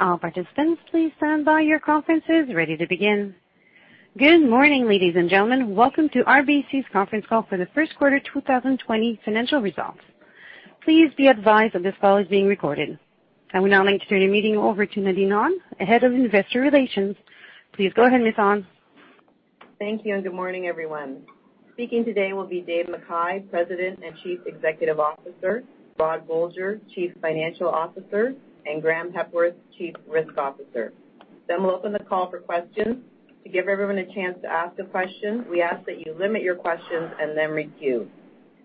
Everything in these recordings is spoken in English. All participants, please stand by. Your conference is ready to begin. Good morning, ladies and gentlemen. Welcome to RBC's conference call for the first quarter 2020 financial results. Please be advised that this call is being recorded. I will now turn the meeting over to Nadine Ahn, Head of Investor Relations. Please go ahead, Ms. Ahn. Thank you, and good morning, everyone. Speaking today will be Dave McKay, President and Chief Executive Officer, Rod Bolger, Chief Financial Officer, and Graeme Hepworth, Chief Risk Officer. We'll open the call for questions. To give everyone a chance to ask a question, we ask that you limit your questions and then queue.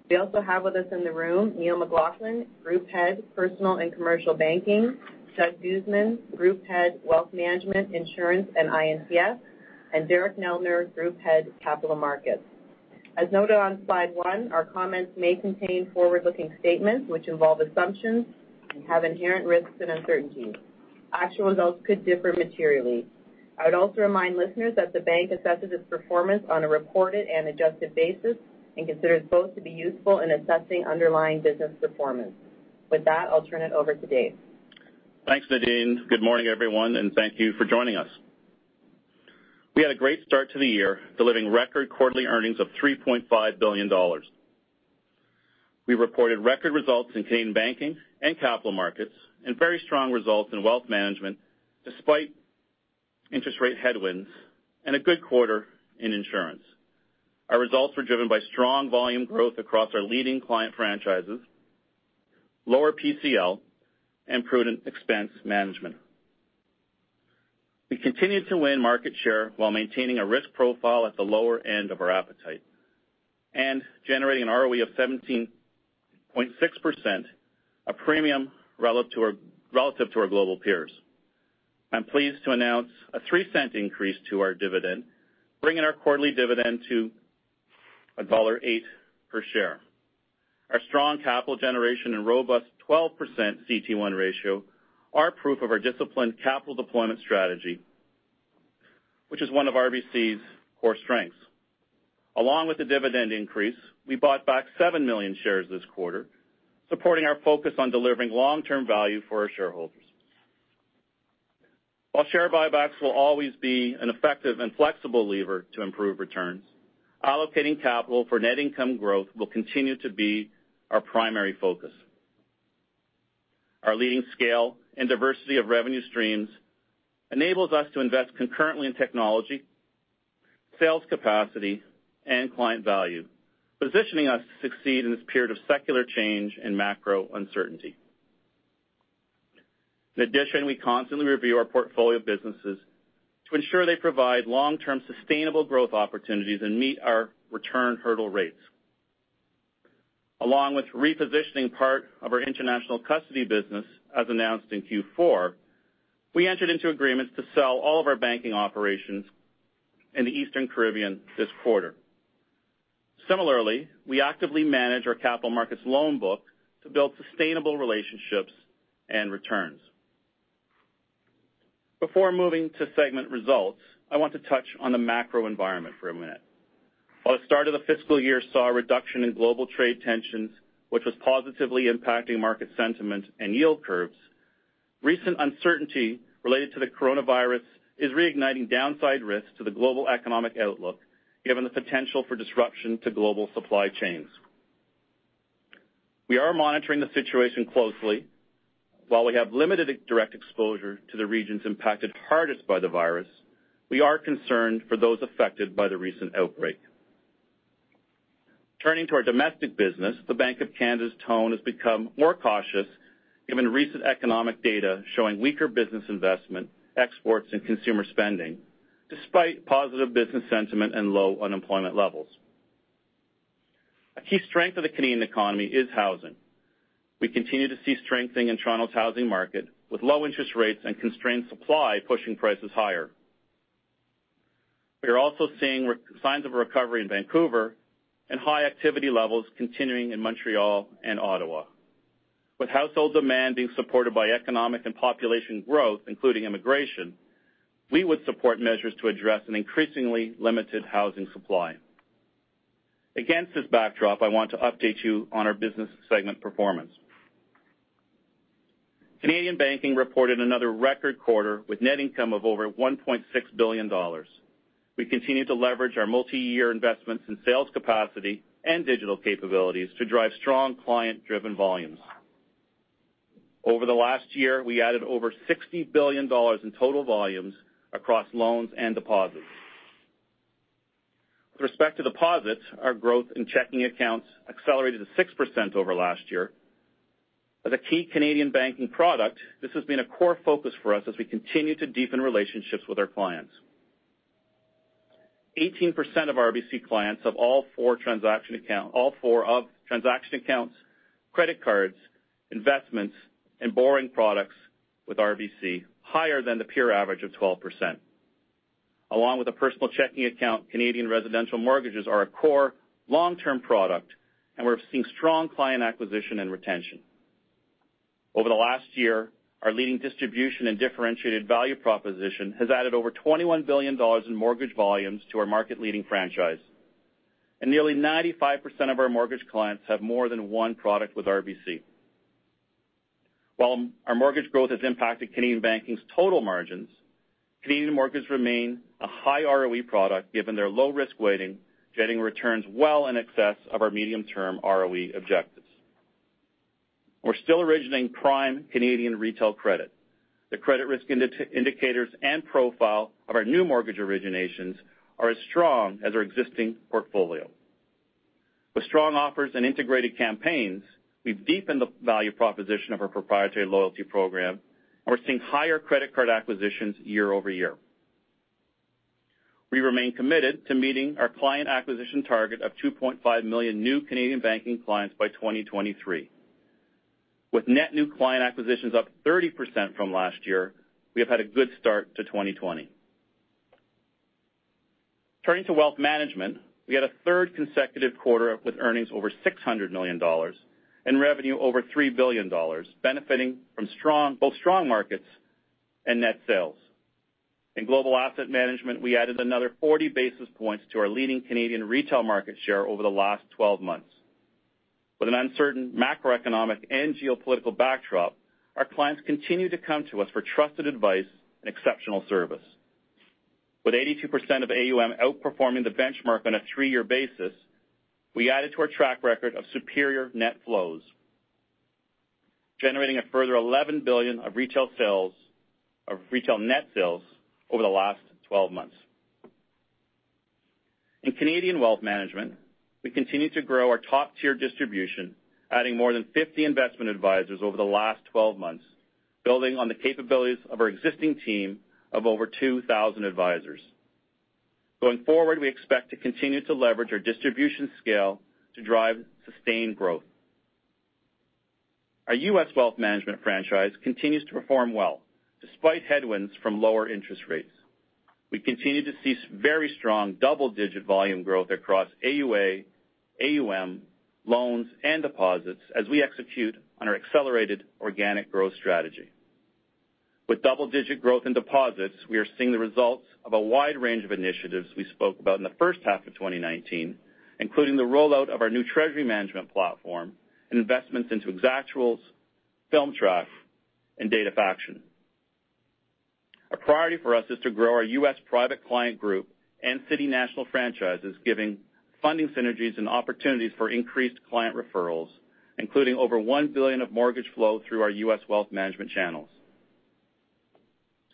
We also have with us in the room Neil McLaughlin, Group Head, Personal and Commercial Banking, Doug Guzman, Group Head, Wealth Management, Insurance, and I&TS, and Derek Neldner, Group Head, Capital Markets. As noted on slide one, our comments may contain forward-looking statements which involve assumptions and have inherent risks and uncertainties. Actual results could differ materially. I would also remind listeners that the bank assesses its performance on a reported and adjusted basis and considers both to be useful in assessing underlying business performance. With that, I'll turn it over to Dave. Thanks, Nadine. Good morning, everyone, and thank you for joining us. We had a great start to the year, delivering record quarterly earnings of 3.5 billion dollars. We reported record results in Canadian banking and capital markets and very strong results in wealth management despite interest rate headwinds and a good quarter in insurance. Our results were driven by strong volume growth across our leading client franchises, lower PCL, and prudent expense management. We continued to win market share while maintaining a risk profile at the lower end of our appetite and generating an ROE of 17.6%, a premium relative to our global peers. I'm pleased to announce a 0.03 increase to our dividend, bringing our quarterly dividend to dollar 1.08 per share. Our strong capital generation and robust 12% CET1 ratio are proof of our disciplined capital deployment strategy, which is one of RBC's core strengths. Along with the dividend increase, we bought back 7 million shares this quarter, supporting our focus on delivering long-term value for our shareholders. While share buybacks will always be an effective and flexible lever to improve returns, allocating capital for net income growth will continue to be our primary focus. Our leading scale and diversity of revenue streams enables us to invest concurrently in technology, sales capacity, and client value, positioning us to succeed in this period of secular change and macro uncertainty. In addition, we constantly review our portfolio of businesses to ensure they provide long-term sustainable growth opportunities and meet our return hurdle rates. Along with repositioning part of our international custody business, as announced in Q4, we entered into agreements to sell all of our banking operations in the Eastern Caribbean this quarter. Similarly, we actively manage our capital markets loan book to build sustainable relationships and returns. Before moving to segment results, I want to touch on the macro environment for a minute. While the start of the fiscal year saw a reduction in global trade tensions, which was positively impacting market sentiment and yield curves, recent uncertainty related to the coronavirus is reigniting downside risks to the global economic outlook, given the potential for disruption to global supply chains. We are monitoring the situation closely. While we have limited direct exposure to the regions impacted hardest by the virus, we are concerned for those affected by the recent outbreak. Turning to our domestic business, the Bank of Canada's tone has become more cautious given recent economic data showing weaker business investment, exports, and consumer spending, despite positive business sentiment and low unemployment levels. A key strength of the Canadian economy is housing. We continue to see strengthening in Toronto's housing market, with low interest rates and constrained supply pushing prices higher. We are also seeing signs of a recovery in Vancouver and high activity levels continuing in Montreal and Ottawa. With household demand being supported by economic and population growth, including immigration, we would support measures to address an increasingly limited housing supply. Against this backdrop, I want to update you on our business segment performance. Canadian Banking reported another record quarter with net income of over 1.6 billion dollars. We continue to leverage our multi-year investments in sales capacity and digital capabilities to drive strong client-driven volumes. Over the last year, we added over 60 billion dollars in total volumes across loans and deposits. With respect to deposits, our growth in checking accounts accelerated to 6% over last year. As a key Canadian banking product, this has been a core focus for us as we continue to deepen relationships with our clients. 18% of RBC clients have all four of transaction accounts, credit cards, investments, and borrowing products with RBC, higher than the peer average of 12%. Along with a personal checking account, Canadian residential mortgages are a core long-term product, and we're seeing strong client acquisition and retention. Over the last year, our leading distribution and differentiated value proposition has added over 21 billion dollars in mortgage volumes to our market-leading franchise. Nearly 95% of our mortgage clients have more than one product with RBC. While our mortgage growth has impacted Canadian banking's total margins, Canadian mortgages remain a high ROE product given their low-risk weighting, generating returns well in excess of our medium-term ROE objectives. We're still originating prime Canadian retail credit. The credit risk indicators and profile of our new mortgage originations are as strong as our existing portfolio. With strong offers and integrated campaigns, we've deepened the value proposition of our proprietary loyalty program, and we're seeing higher credit card acquisitions year-over-year. We remain committed to meeting our client acquisition target of 2.5 million new Canadian banking clients by 2023. With net new client acquisitions up 30% from last year, we have had a good start to 2020. Turning to Wealth Management, we had a third consecutive quarter with earnings over 600 million dollars and revenue over 3 billion dollars, benefiting from both strong markets and net sales. In Global Asset Management, we added another 40 basis points to our leading Canadian retail market share over the last 12 months. With an uncertain macroeconomic and geopolitical backdrop, our clients continue to come to us for trusted advice and exceptional service. With 82% of AUM outperforming the benchmark on a three-year basis, we added to our track record of superior net flows, generating a further 11 billion of retail net sales over the last 12 months. In Canadian wealth management, we continue to grow our top-tier distribution, adding more than 50 investment advisors over the last 12 months, building on the capabilities of our existing team of over 2,000 advisors. Going forward, we expect to continue to leverage our distribution scale to drive sustained growth. Our U.S. wealth management franchise continues to perform well, despite headwinds from lower interest rates. We continue to see very strong double-digit volume growth across AUA, AUM, loans, and deposits as we execute on our accelerated organic growth strategy. With double-digit growth in deposits, we are seeing the results of a wide range of initiatives we spoke about in the first half of 2019, including the rollout of our new treasury management platform and investments into Exactuals, FilmTrack, and Datafaction. A priority for us is to grow our U.S. Private Client Group and City National franchises, giving funding synergies and opportunities for increased client referrals, including over 1 billion of mortgage flow through our U.S. wealth management channels.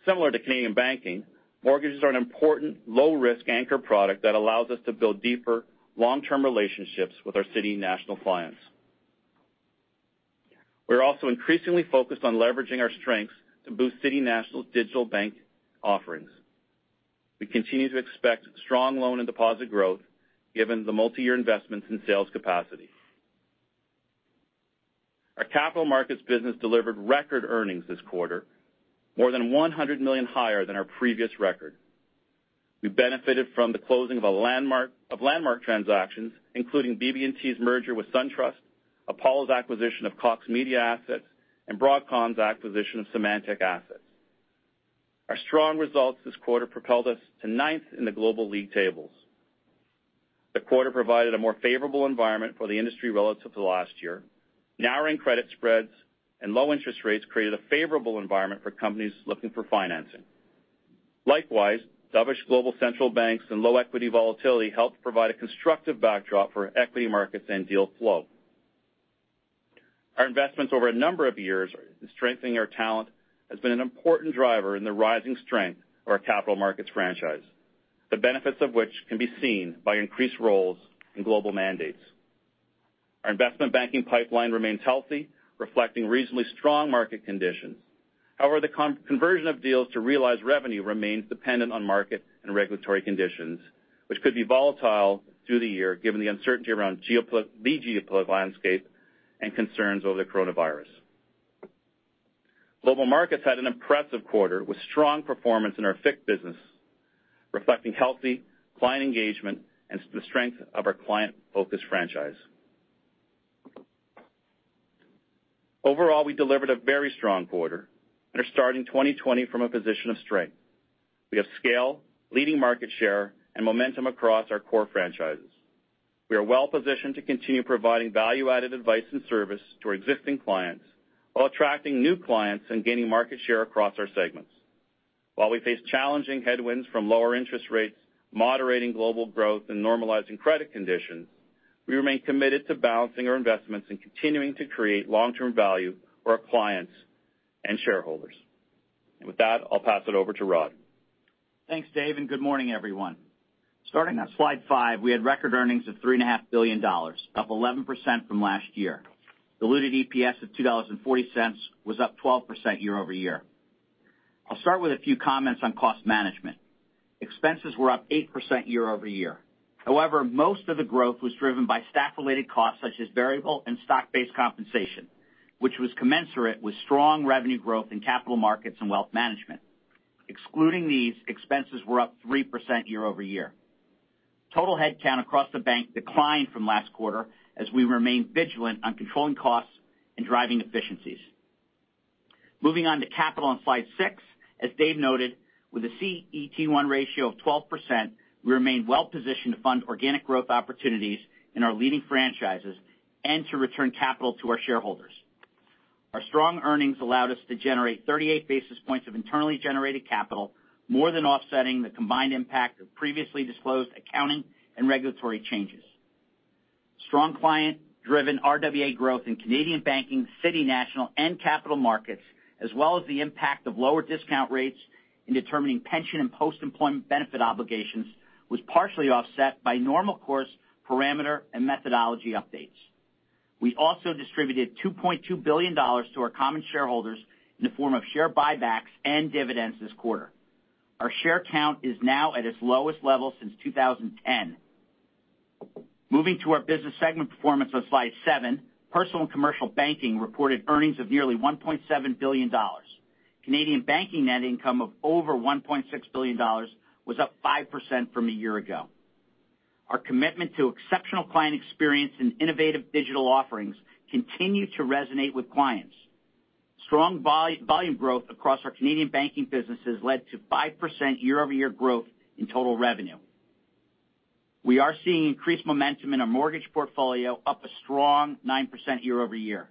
Similar to Canadian banking, mortgages are an important low-risk anchor product that allows us to build deeper long-term relationships with our City National clients. We're also increasingly focused on leveraging our strengths to boost City National's digital bank offerings. We continue to expect strong loan and deposit growth, given the multi-year investments in sales capacity. Our Capital Markets business delivered record earnings this quarter, more than 100 million higher than our previous record. We benefited from the closing of landmark transactions, including BB&T's merger with SunTrust, Apollo's acquisition of Cox Media assets, and Broadcom's acquisition of Symantec assets. Our strong results this quarter propelled us to ninth in the global league tables. The quarter provided a more favorable environment for the industry relative to last year. Narrowing credit spreads and low interest rates created a favorable environment for companies looking for financing. Likewise, dovish global central banks and low equity volatility helped provide a constructive backdrop for equity markets and deal flow. Our investments over a number of years in strengthening our talent has been an important driver in the rising strength of our Capital Markets franchise, the benefits of which can be seen by increased roles in global mandates. Our investment banking pipeline remains healthy, reflecting reasonably strong market conditions. The conversion of deals to realized revenue remains dependent on market and regulatory conditions, which could be volatile through the year given the uncertainty around the geopolitical landscape and concerns over the coronavirus. Global markets had an impressive quarter, with strong performance in our FICC business, reflecting healthy client engagement and the strength of our client-focused franchise. We delivered a very strong quarter and are starting 2020 from a position of strength. We have scale, leading market share, and momentum across our core franchises. We are well-positioned to continue providing value-added advice and service to our existing clients while attracting new clients and gaining market share across our segments. While we face challenging headwinds from lower interest rates, moderating global growth, and normalizing credit conditions, we remain committed to balancing our investments and continuing to create long-term value for our clients and shareholders. With that, I'll pass it over to Rod. Thanks, Dave, good morning, everyone. Starting on slide five, we had record earnings of 3.5 billion dollars, up 11% from last year. Diluted EPS of 2.40 dollars was up 12% year-over-year. I'll start with a few comments on cost management. Expenses were up 8% year-over-year. Most of the growth was driven by staff-related costs such as variable and stock-based compensation, which was commensurate with strong revenue growth in capital markets and wealth management. Excluding these, expenses were up 3% year-over-year. Total head count across the bank declined from last quarter as we remain vigilant on controlling costs and driving efficiencies. Moving on to capital on slide six. As Dave noted, with a CET1 ratio of 12%, we remain well-positioned to fund organic growth opportunities in our leading franchises and to return capital to our shareholders. Our strong earnings allowed us to generate 38 basis points of internally generated capital, more than offsetting the combined impact of previously disclosed accounting and regulatory changes. Strong client-driven RWA growth in Canadian Banking, City National, and Capital Markets, as well as the impact of lower discount rates in determining pension and post-employment benefit obligations, was partially offset by normal course parameter and methodology updates. We also distributed 2.2 billion dollars to our common shareholders in the form of share buybacks and dividends this quarter. Our share count is now at its lowest level since 2010. Moving to our business segment performance on slide seven. Personal and Commercial Banking reported earnings of nearly 1.7 billion Canadian dollars. Canadian Banking net income of over 1.6 billion dollars was up 5% from a year ago. Our commitment to exceptional client experience and innovative digital offerings continue to resonate with clients. Strong volume growth across our Canadian banking businesses led to 5% year-over-year growth in total revenue. We are seeing increased momentum in our mortgage portfolio, up a strong 9% year-over-year.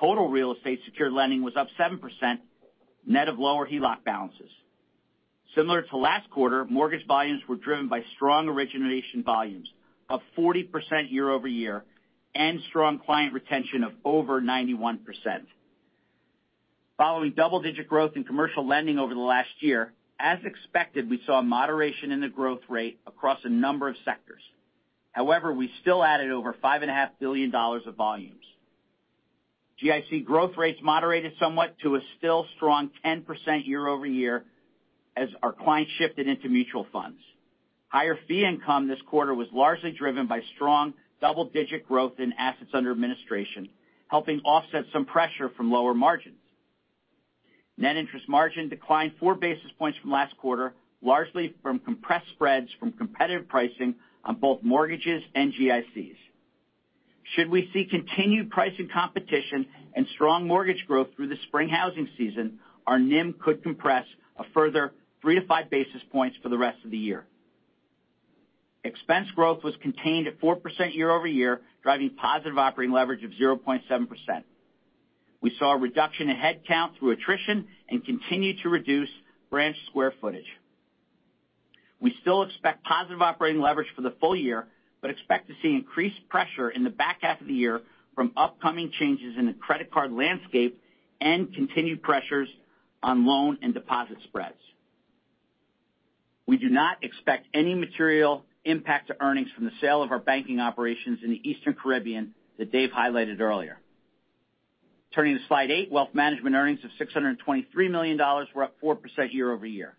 Total real estate secured lending was up 7%, net of lower HELOC balances. Similar to last quarter, mortgage volumes were driven by strong origination volumes, up 40% year-over-year, and strong client retention of over 91%. Following double-digit growth in commercial lending over the last year, as expected, we saw a moderation in the growth rate across a number of sectors. However, we still added over 5.5 billion dollars of volumes. GIC growth rates moderated somewhat to a still strong 10% year-over-year as our clients shifted into mutual funds. Higher fee income this quarter was largely driven by strong double-digit growth in assets under administration, helping offset some pressure from lower margins. Net interest margin declined four basis points from last quarter, largely from compressed spreads from competitive pricing on both mortgages and GICs. Should we see continued pricing competition and strong mortgage growth through the spring housing season, our NIM could compress a further 3 basis points to 5 basis points for the rest of the year. Expense growth was contained at 4% year-over-year, driving positive operating leverage of 0.7%. We saw a reduction in headcount through attrition and continued to reduce branch square footage. We still expect positive operating leverage for the full year, but expect to see increased pressure in the back half of the year from upcoming changes in the credit card landscape and continued pressures on loan and deposit spreads. We do not expect any material impact to earnings from the sale of our banking operations in the Eastern Caribbean that Dave highlighted earlier. Turning to slide eight. Wealth management earnings of 623 million dollars were up 4% year-over-year.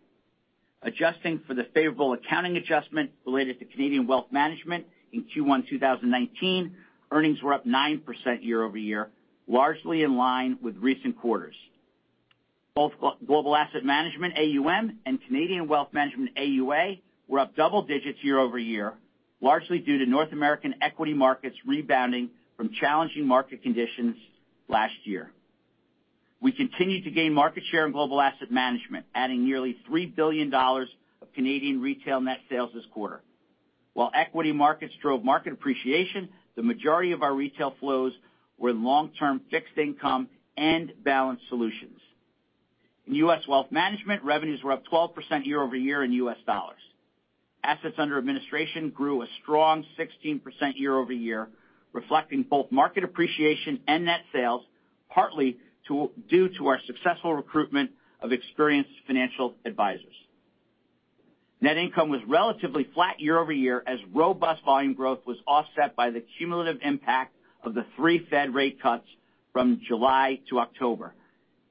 Adjusting for the favorable accounting adjustment related to Canadian Wealth Management in Q1 2019, earnings were up 9% year-over-year, largely in line with recent quarters. Both Global Asset Management, AUM, and Canadian Wealth Management, AUA, were up double digits year-over-year, largely due to North American equity markets rebounding from challenging market conditions last year. We continued to gain market share in global asset management, adding nearly 3 billion dollars of Canadian retail net sales this quarter. While equity markets drove market appreciation, the majority of our retail flows were in long-term fixed income and balanced solutions. In U.S. Wealth Management, revenues were up 12% year-over-year in US dollars. Assets under administration grew a strong 16% year-over-year, reflecting both market appreciation and net sales, partly due to our successful recruitment of experienced financial advisors. Net income was relatively flat year-over-year, as robust volume growth was offset by the cumulative impact of the three Fed rate cuts from July to October,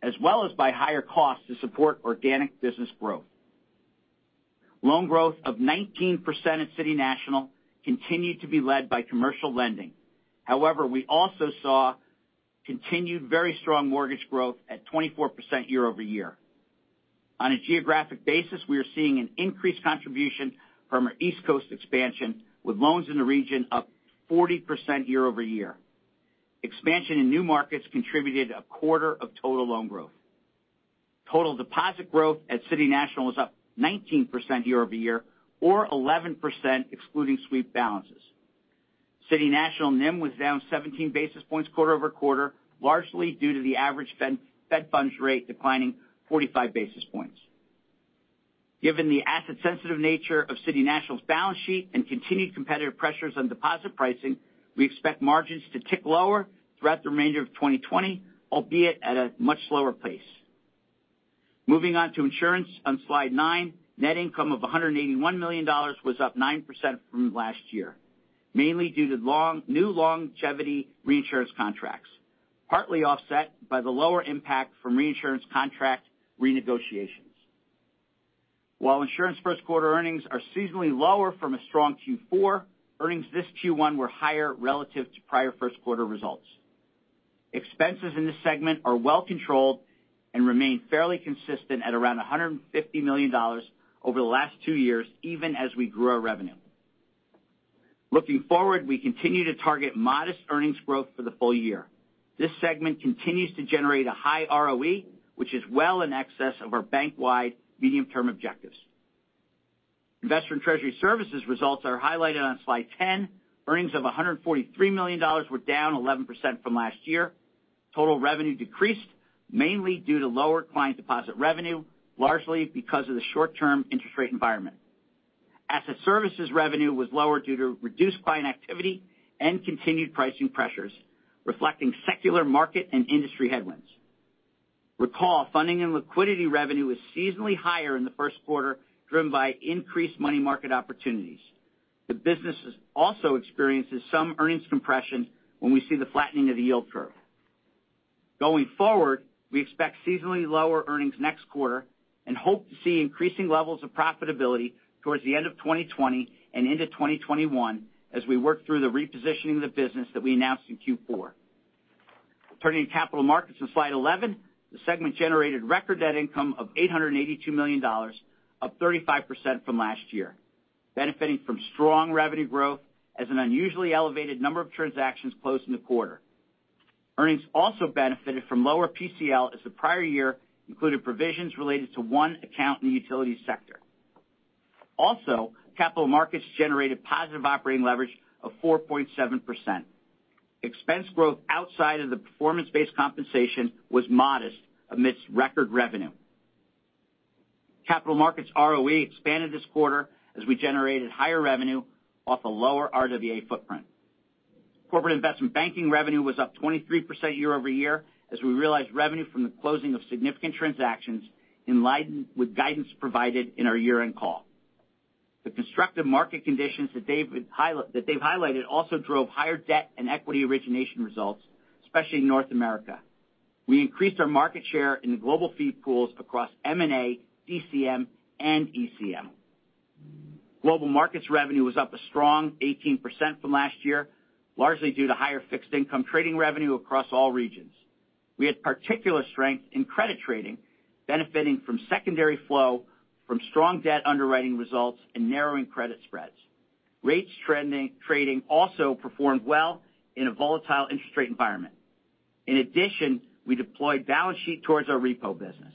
as well as by higher costs to support organic business growth. However, loan growth of 19% at City National continued to be led by commercial lending. We also saw continued very strong mortgage growth at 24% year-over-year. On a geographic basis, we are seeing an increased contribution from our East Coast expansion, with loans in the region up 40% year-over-year. Expansion in new markets contributed a quarter of total loan growth. Total deposit growth at City National was up 19% year-over-year, or 11% excluding sweep balances. City National NIM was down 17 basis points quarter-over-quarter, largely due to the average Fed funds rate declining 45 basis points. Given the asset-sensitive nature of City National's balance sheet and continued competitive pressures on deposit pricing, we expect margins to tick lower throughout the remainder of 2020, albeit at a much slower pace. Moving on to insurance on slide nine. Net income of 181 million dollars was up 9% from last year, mainly due to new longevity reinsurance contracts, partly offset by the lower impact from reinsurance contract renegotiations. While insurance first quarter earnings are seasonally lower from a strong Q4, earnings this Q1 were higher relative to prior first quarter results. Expenses in this segment are well controlled and remain fairly consistent at around 150 million dollars over the last two years, even as we grew our revenue. Looking forward, we continue to target modest earnings growth for the full year. This segment continues to generate a high ROE, which is well in excess of our bank-wide medium-term objectives. Investment Treasury Services results are highlighted on slide 10. Earnings of 143 million dollars were down 11% from last year. Total revenue decreased mainly due to lower client deposit revenue, largely because of the short-term interest rate environment. Asset services revenue was lower due to reduced client activity and continued pricing pressures, reflecting secular market and industry headwinds. Recall, funding and liquidity revenue was seasonally higher in the first quarter, driven by increased money market opportunities. The business also experiences some earnings compression when we see the flattening of the yield curve. Going forward, we expect seasonally lower earnings next quarter and hope to see increasing levels of profitability towards the end of 2020 and into 2021 as we work through the repositioning of the business that we announced in Q4. Turning to capital markets on slide 11. The segment generated record net income of 882 million dollars, up 35% from last year, benefiting from strong revenue growth as an unusually elevated number of transactions closed in the quarter. Earnings also benefited from lower PCL as the prior year included provisions related to one account in the utility sector. Capital Markets generated positive operating leverage of 4.7%. Expense growth outside of the performance-based compensation was modest amidst record revenue. Capital Markets' ROE expanded this quarter as we generated higher revenue off a lower RWA footprint. Corporate Investment Banking revenue was up 23% year-over-year as we realized revenue from the closing of significant transactions with guidance provided in our year-end call. The constructive market conditions that they've highlighted also drove higher debt and equity origination results, especially in North America. We increased our market share in the global fee pools across M&A, DCM, and ECM. Global markets revenue was up a strong 18% from last year, largely due to higher fixed income trading revenue across all regions. We had particular strength in credit trading, benefiting from secondary flow from strong debt underwriting results and narrowing credit spreads. Rates trading also performed well in a volatile interest rate environment. We deployed balance sheet towards our repo business.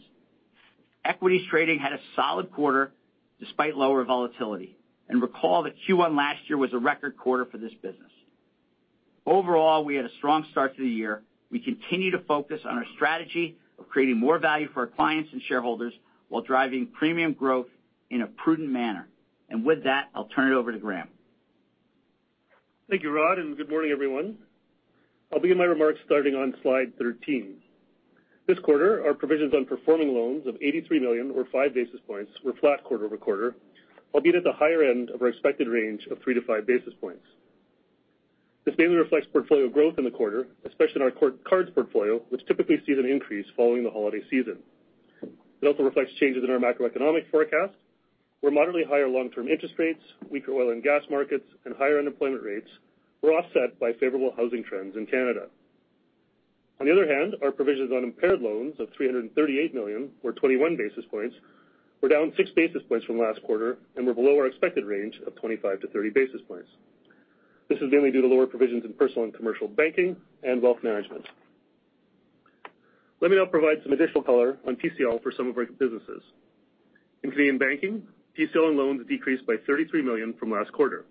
Equities trading had a solid quarter despite lower volatility. Recall that Q1 last year was a record quarter for this business. Overall, we had a strong start to the year. We continue to focus on our strategy of creating more value for our clients and shareholders while driving premium growth in a prudent manner. With that, I'll turn it over to Graeme. Thank you, Rod, and good morning, everyone. I'll begin my remarks starting on slide 13. This quarter, our provisions on performing loans of 83 million or five basis points were flat quarter-over-quarter, albeit at the higher end of our expected range of three to five basis points. This mainly reflects portfolio growth in the quarter, especially in our cards portfolio, which typically sees an increase following the holiday season. It also reflects changes in our macroeconomic forecast, where moderately higher long-term interest rates, weaker oil and gas markets, and higher unemployment rates were offset by favorable housing trends in Canada. On the other hand, our provisions on impaired loans of 338 million, or 21 basis points, were down 6 basis points from last quarter and were below our expected range of 25 to 30 basis points. This is mainly due to lower provisions in personal and commercial banking and wealth management. Let me now provide some additional color on PCL for some of our businesses. In Canadian banking, PCL and loans decreased by 33 million from last quarter,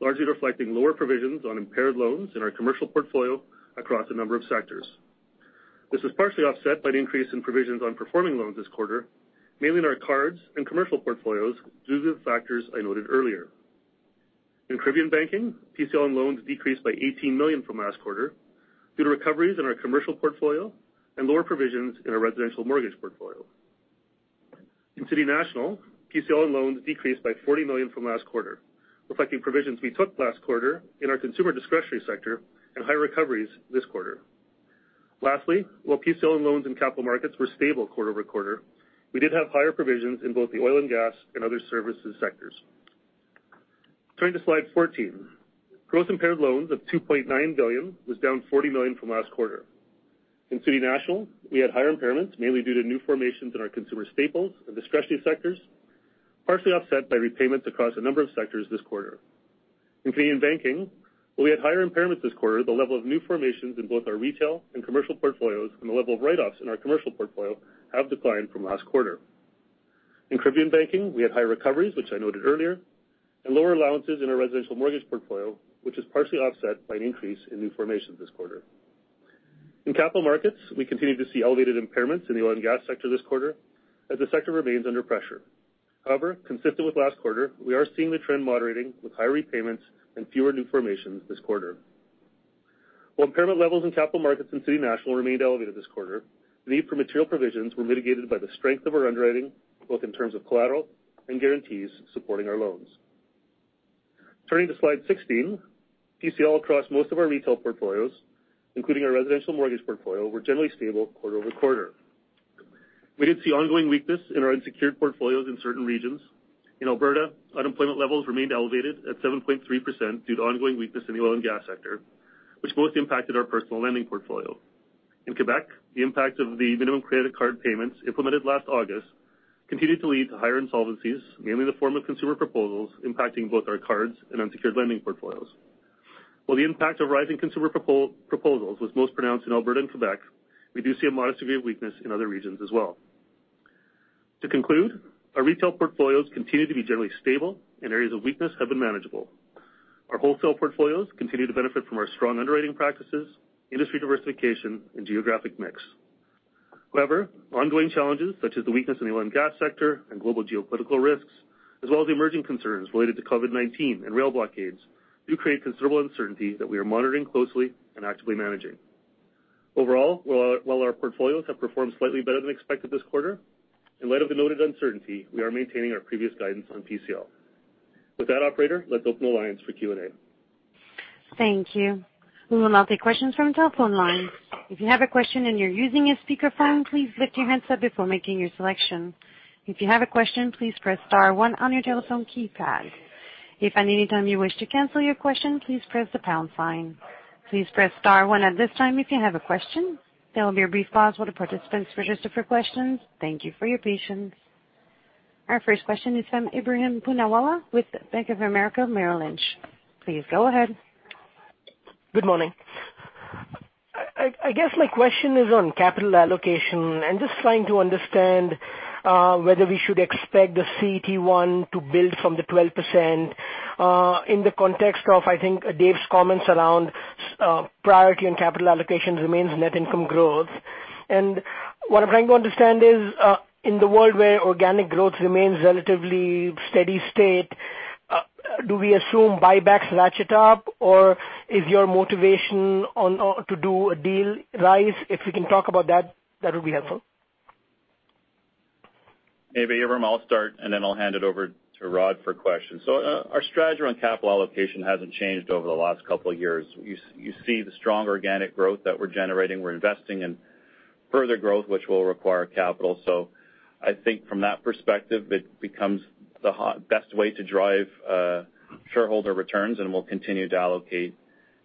largely reflecting lower provisions on impaired loans in our commercial portfolio across a number of sectors. This was partially offset by an increase in provisions on performing loans this quarter, mainly in our cards and commercial portfolios, due to the factors I noted earlier. In Caribbean banking, PCL and loans decreased by 18 million from last quarter due to recoveries in our commercial portfolio and lower provisions in our residential mortgage portfolio. In City National, PCL and loans decreased by 40 million from last quarter, reflecting provisions we took last quarter in our consumer discretionary sector and high recoveries this quarter. Lastly, while PCL and loans in capital markets were stable quarter-over-quarter, we did have higher provisions in both the oil and gas and other services sectors. Turning to slide 14. Gross impaired loans of 2.9 billion was down 40 million from last quarter. In City National, we had higher impairments, mainly due to new formations in our consumer staples and discretionary sectors, partially offset by repayments across a number of sectors this quarter. In Canadian Banking, while we had higher impairments this quarter, the level of new formations in both our retail and commercial portfolios and the level of write-offs in our commercial portfolio have declined from last quarter. In Caribbean Banking, we had high recoveries, which I noted earlier, and lower allowances in our residential mortgage portfolio, which is partially offset by an increase in new formations this quarter. In capital markets, we continued to see elevated impairments in the oil and gas sector this quarter as the sector remains under pressure. However, consistent with last quarter, we are seeing the trend moderating with high repayments and fewer new formations this quarter. While impairment levels in capital markets in City National remained elevated this quarter, the need for material provisions were mitigated by the strength of our underwriting, both in terms of collateral and guarantees supporting our loans. Turning to slide 16. PCL across most of our retail portfolios, including our residential mortgage portfolio, were generally stable quarter-over-quarter. We did see ongoing weakness in our unsecured portfolios in certain regions. In Alberta, unemployment levels remained elevated at 7.3% due to ongoing weakness in the oil and gas sector, which mostly impacted our personal lending portfolio. In Quebec, the impact of the minimum credit card payments implemented last August continued to lead to higher insolvencies, mainly in the form of consumer proposals impacting both our cards and unsecured lending portfolios. While the impact of rising consumer proposals was most pronounced in Alberta and Quebec, we do see a modest degree of weakness in other regions as well. To conclude, our retail portfolios continue to be generally stable and areas of weakness have been manageable. Our wholesale portfolios continue to benefit from our strong underwriting practices, industry diversification and geographic mix. However, ongoing challenges such as the weakness in the oil and gas sector and global geopolitical risks, as well as emerging concerns related to COVID-19 and rail blockades, do create considerable uncertainty that we are monitoring closely and actively managing. Overall, while our portfolios have performed slightly better than expected this quarter, in light of the noted uncertainty, we are maintaining our previous guidance on PCL. With that operator, let's open the lines for Q&A. Thank you. We will now take questions from telephone lines. If you have a question and you're using a speakerphone, please lift your hands up before making your selection. If you have a question, please press star one on your telephone keypad. If at any time you wish to cancel your question, please press the pound sign. Please press star one at this time if you have a question. There will be a brief pause while the participants register for questions. Thank you for your patience. Our first question is from Ebrahim Poonawala with Bank of America, Merrill Lynch. Please go ahead. Good morning. I guess my question is on capital allocation and just trying to understand whether we should expect the CET1 to build from the 12%, in the context of, I think, Dave's comments around priority and capital allocation remains net income growth. What I'm trying to understand is, in the world where organic growth remains relatively steady state, do we assume buybacks latch it up or is your motivation to do a deal rise? If we can talk about that would be helpful. Maybe, Ebrahim, I'll start, and then I'll hand it over to Rod for questions. Our strategy on capital allocation hasn't changed over the last couple of years. You see the strong organic growth that we're generating. We're investing in further growth, which will require capital. I think from that perspective, it becomes the best way to drive shareholder returns, and we'll continue to allocate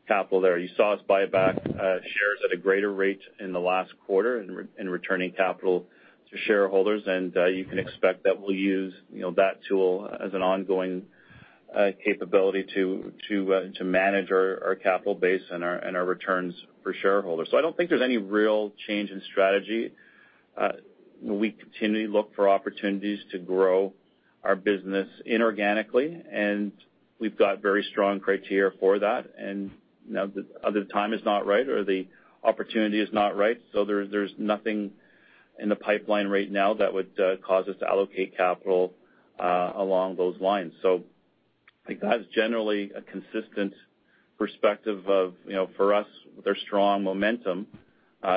capital there. You saw us buy back shares at a greater rate in the last quarter in returning capital to shareholders, and you can expect that we'll use that tool as an ongoing capability to manage our capital base and our returns for shareholders. I don't think there's any real change in strategy. We continue to look for opportunities to grow our business inorganically, and we've got very strong criteria for that and either the time is not right, or the opportunity is not right. There's nothing in the pipeline right now that would cause us to allocate capital along those lines. I think that is generally a consistent perspective of, for us, there's strong momentum,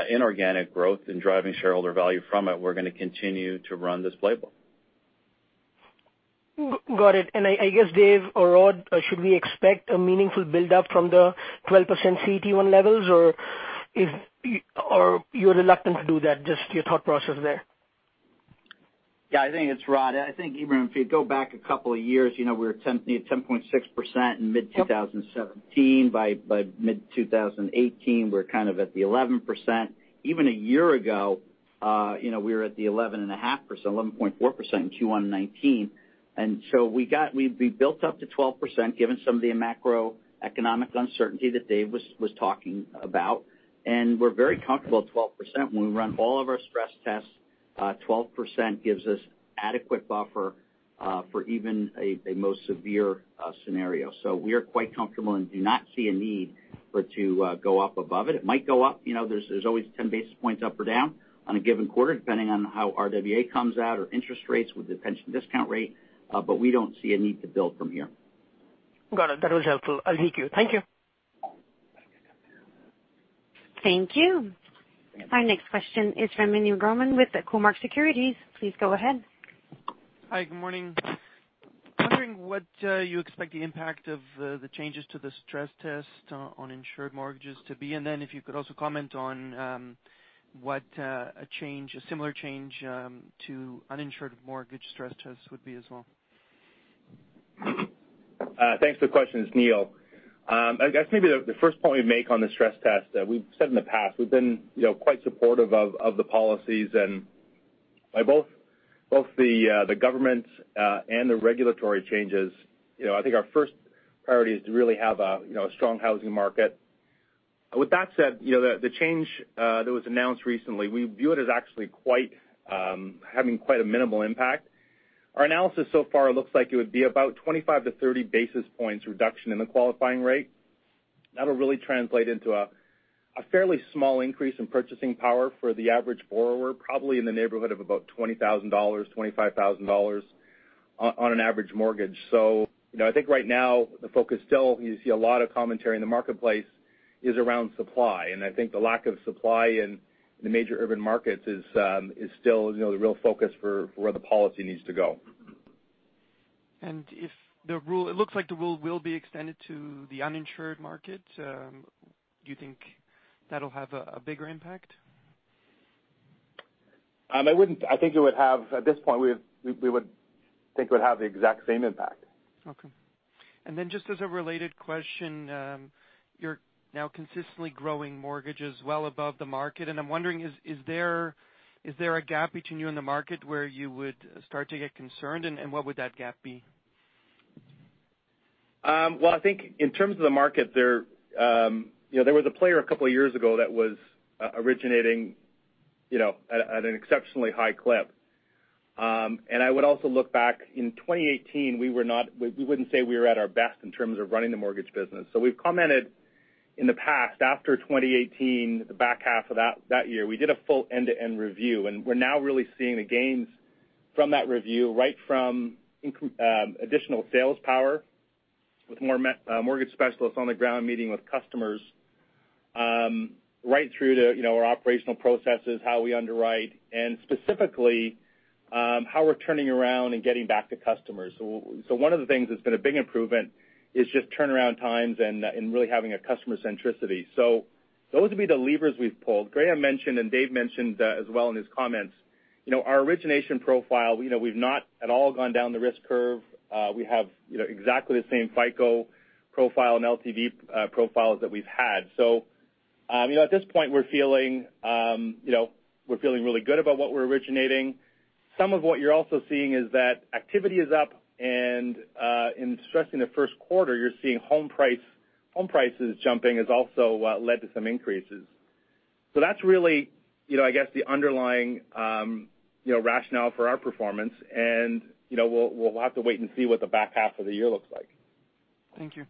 inorganic growth and driving shareholder value from it. We're going to continue to run this playbook. Got it. I guess, Dave or Rod, should we expect a meaningful buildup from the 12% CET1 levels or if you're reluctant to do that, just your thought process there? Yeah, I think it's Rod. I think, Ebrahim, if you go back a couple of years, we were attempting at 10.6% in mid-2017. By mid-2018, we're kind of at the 11%. Even a year ago we were at the 11.5%, 11.4% in Q1 2019. We built up to 12%, given some of the macroeconomic uncertainty that Dave was talking about. We're very comfortable at 12%. When we run all of our stress tests, 12% gives us adequate buffer for even a most severe scenario. We are quite comfortable and do not see a need for to go up above it. It might go up. There's always 10 basis points up or down on a given quarter, depending on how RWA comes out or interest rates with the pension discount rate. We don't see a need to build from here. Got it. That was helpful. I'll hit you. Thank you. Thank you. Our next question is from Meny Grauman with the Cormark Securities. Please go ahead. Hi. Good morning. Wondering what you expect the impact of the changes to the stress test on insured mortgages to be, and then if you could also comment on what a similar change to uninsured mortgage stress tests would be as well? Thanks for the question. It's Neil. I guess maybe the first point we'd make on the stress test, we've said in the past, we've been quite supportive of the policies and by both the government and the regulatory changes. I think our first priority is to really have a strong housing market. With that said, the change that was announced recently, we view it as actually having quite a minimal impact. Our analysis so far looks like it would be about 25 to 30 basis points reduction in the qualifying rate. That'll really translate into a fairly small increase in purchasing power for the average borrower, probably in the neighborhood of about 20,000 dollars, 25,000 dollars on an average mortgage. I think right now the focus still, you see a lot of commentary in the marketplace is around supply. I think the lack of supply in the major urban markets is still the real focus for where the policy needs to go. It looks like the rule will be extended to the uninsured market. Do you think that'll have a bigger impact? I think at this point, we would think it would have the exact same impact. Okay. Just as a related question, you're now consistently growing mortgages well above the market. I'm wondering, is there a gap between you and the market where you would start to get concerned? What would that gap be? Well, I think in terms of the market there was a player a couple of years ago that was originating at an exceptionally high clip. I would also look back in 2018, we wouldn't say we were at our best in terms of running the mortgage business. We've commented in the past, after 2018, the back half of that year, we did a full end-to-end review, and we're now really seeing the gains from that review, right from additional sales power with more mortgage specialists on the ground meeting with customers right through to our operational processes, how we underwrite, and specifically, how we're turning around and getting back to customers. One of the things that's been a big improvement is just turnaround times and really having a customer centricity. Those would be the levers we've pulled. Graeme mentioned, and Dave mentioned as well in his comments, our origination profile, we've not at all gone down the risk curve. We have exactly the same FICO profile and LTV profiles that we've had. At this point, we're feeling really good about what we're originating. Some of what you're also seeing is that activity is up, and especially in the first quarter, you're seeing home prices jumping has also led to some increases. That's really the underlying rationale for our performance, and we'll have to wait and see what the back half of the year looks like. Thank you.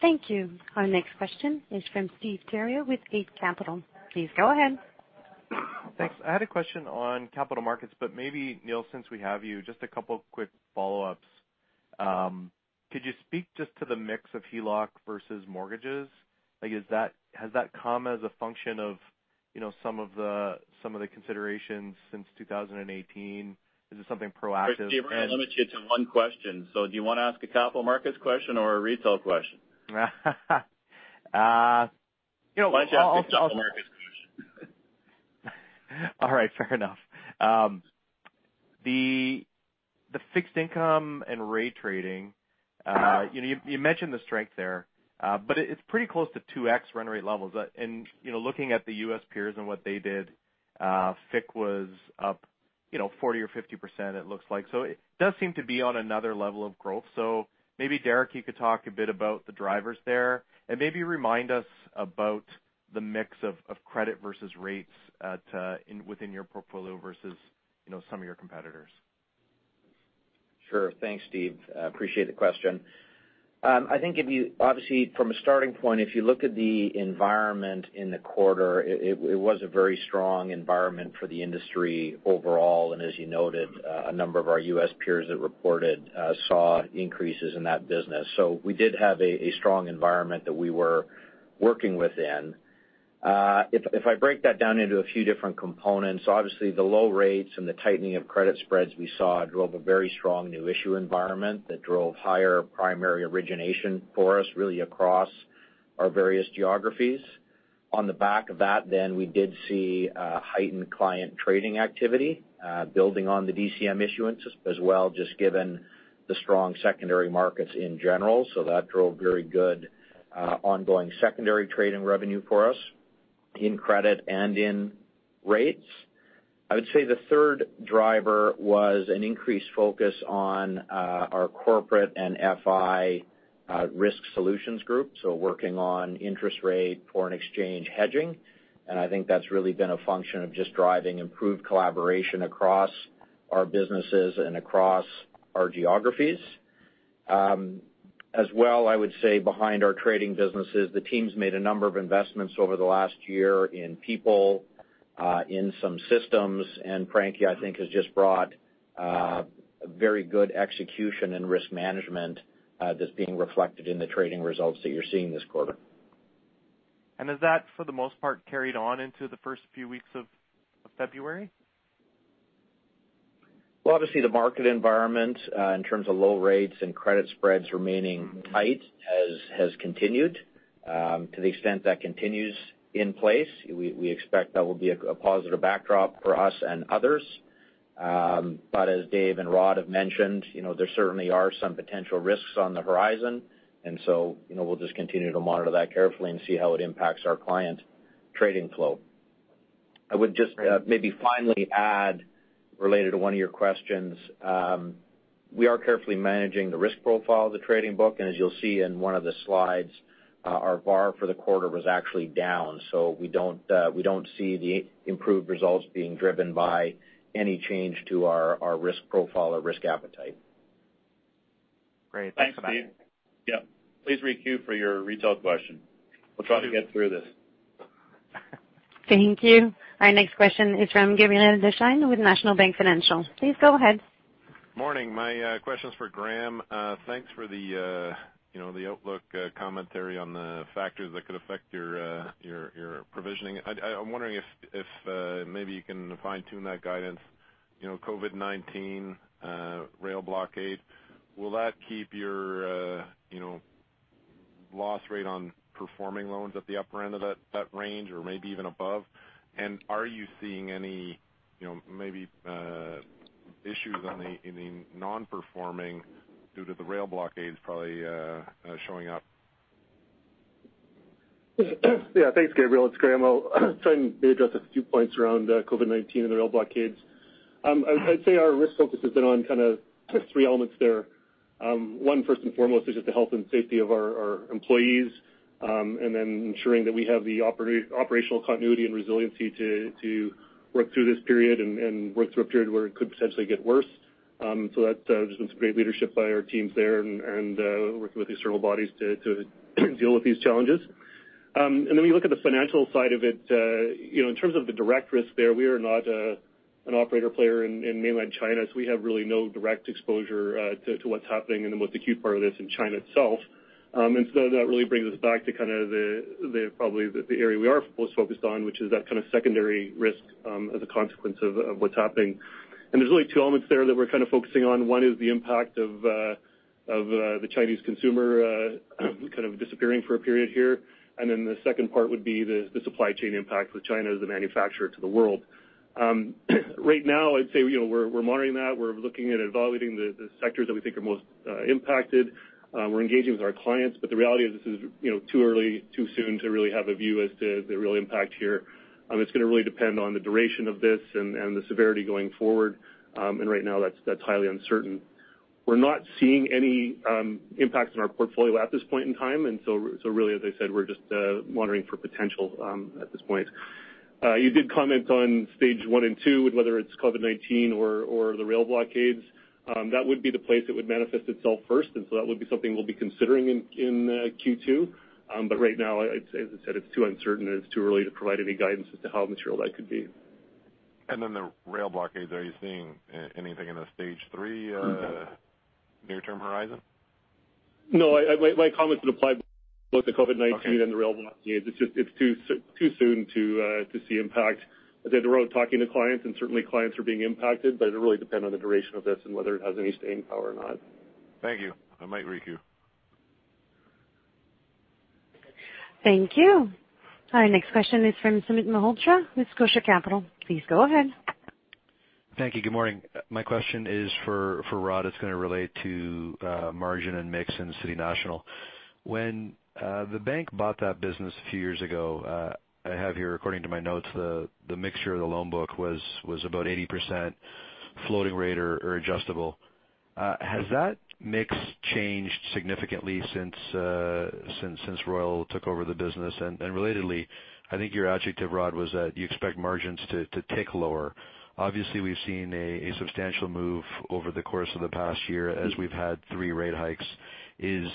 Thank you. Our next question is from Steve Theriault with Eight Capital. Please go ahead. Thanks. I had a question on capital markets, but maybe Neil, since we have you, just a couple of quick follow-ups. Could you speak just to the mix of HELOC versus mortgages? Has that come as a function of some of the considerations since 2018? Is it something proactive? Steve, we're going to limit you to one question. Do you want to ask a capital markets question or a retail question? Why don't you ask a capital markets question? All right, fair enough. The fixed income and rate trading. You mentioned the strength there. It's pretty close to 2x run rate levels. Looking at the U.S. peers and what they did, FICC was up 40% or 50%, it looks like. It does seem to be on another level of growth. Maybe Derek, you could talk a bit about the drivers there and maybe remind us about the mix of credit versus rates within your portfolio versus some of your competitors. Sure. Thanks, Steve. Appreciate the question. I think obviously from a starting point, if you look at the environment in the quarter, it was a very strong environment for the industry overall, and as you noted, a number of our U.S. peers that reported saw increases in that business. We did have a strong environment that we were working within. If I break that down into a few different components, obviously the low rates and the tightening of credit spreads we saw drove a very strong new issue environment that drove higher primary origination for us, really across our various geographies. On the back of that, we did see heightened client trading activity building on the DCM issuance as well, just given the strong secondary markets in general. That drove very good ongoing secondary trading revenue for us in credit and in rates. I would say the third driver was an increased focus on our corporate and FI risk solutions group, so working on interest rate foreign exchange hedging, and I think that's really been a function of just driving improved collaboration across our businesses and across our geographies. As well, I would say behind our trading businesses, the teams made a number of investments over the last year in people, in some systems, and Frank, I think, has just brought a very good execution in risk management that's being reflected in the trading results that you're seeing this quarter. Has that, for the most part, carried on into the first few weeks of February? Well, obviously, the market environment in terms of low rates and credit spreads remaining tight has continued. To the extent that continues in place, we expect that will be a positive backdrop for us and others. As Dave and Rod have mentioned, there certainly are some potential risks on the horizon. We'll just continue to monitor that carefully and see how it impacts our client trading flow. I would just maybe finally add related to one of your questions. We are carefully managing the risk profile of the trading book, and as you'll see in one of the slides, our VaR for the quarter was actually down. We don't see the improved results being driven by any change to our risk profile or risk appetite. Great. Thanks so much. Thanks, Steve. Yeah. Please re-queue for your retail question. We'll try to get through this. Thank you. Our next question is from Gabriel Dechaine with National Bank Financial. Please go ahead. Morning. My question's for Graeme. Thanks for the outlook commentary on the factors that could affect your provisioning. I'm wondering if maybe you can fine-tune that guidance, you know, COVID-19 rail blockade. Will that keep your loss rate on performing loans at the upper end of that range or maybe even above? Are you seeing any maybe issues on any non-performing due to the rail blockades probably showing up? Yeah. Thanks, Gabriel. It's Graeme. I'll try and maybe address a few points around COVID-19 and the rail blockades. I'd say our risk focus has been on kind of three elements there. One, first and foremost, is just the health and safety of our employees, and then ensuring that we have the operational continuity and resiliency to work through this period and work through a period where it could potentially get worse. There's been some great leadership by our teams there and working with external bodies to deal with these challenges. Then we look at the financial side of it. In terms of the direct risk there, we are not an operator player in mainland China, so we have really no direct exposure to what's happening and what the acute part of it is in China itself. That really brings us back to kind of probably the area we are most focused on, which is that kind of secondary risk as a consequence of what's happening. There's really two elements there that we're kind of focusing on. One is the impact of the Chinese consumer kind of disappearing for a period here. The second part would be the supply chain impact with China as the manufacturer to the world. Right now, I'd say we're monitoring that. We're looking at evaluating the sectors that we think are most impacted. We're engaging with our clients. The reality is this is too early, too soon to really have a view as to the real impact here. It's going to really depend on the duration of this and the severity going forward. Right now that's highly uncertain. We're not seeing any impacts in our portfolio at this point in time. Really, as I said, we're just monitoring for potential at this point. You did comment on stage 1 and 2 with whether it's COVID-19 or the rail blockades. That would be the place it would manifest itself first. That would be something we'll be considering in Q2. Right now, as I said, it's too uncertain and it's too early to provide any guidance as to how material that could be. The rail blockades, are you seeing anything in the Stage 3 near-term horizon? No, my comments would apply both to COVID-19 and the rail blockades. It's just too soon to see impact. As I said, we're talking to clients, and certainly clients are being impacted, but it really depends on the duration of this and whether it has any staying power or not. Thank you. I might reach you. Thank you. Our next question is from Sumit Malhotra with Scotia Capital. Please go ahead. Thank you. Good morning. My question is for Rod. It's going to relate to margin and mix in City National. When the bank bought that business a few years ago, I have here according to my notes, the mixture of the loan book was about 80% floating rate or adjustable. Has that mix changed significantly since Royal took over the business? Relatedly, I think your adjective, Rod, was that you expect margins to tick lower. Obviously, we've seen a substantial move over the course of the past year as we've had three rate hikes. Is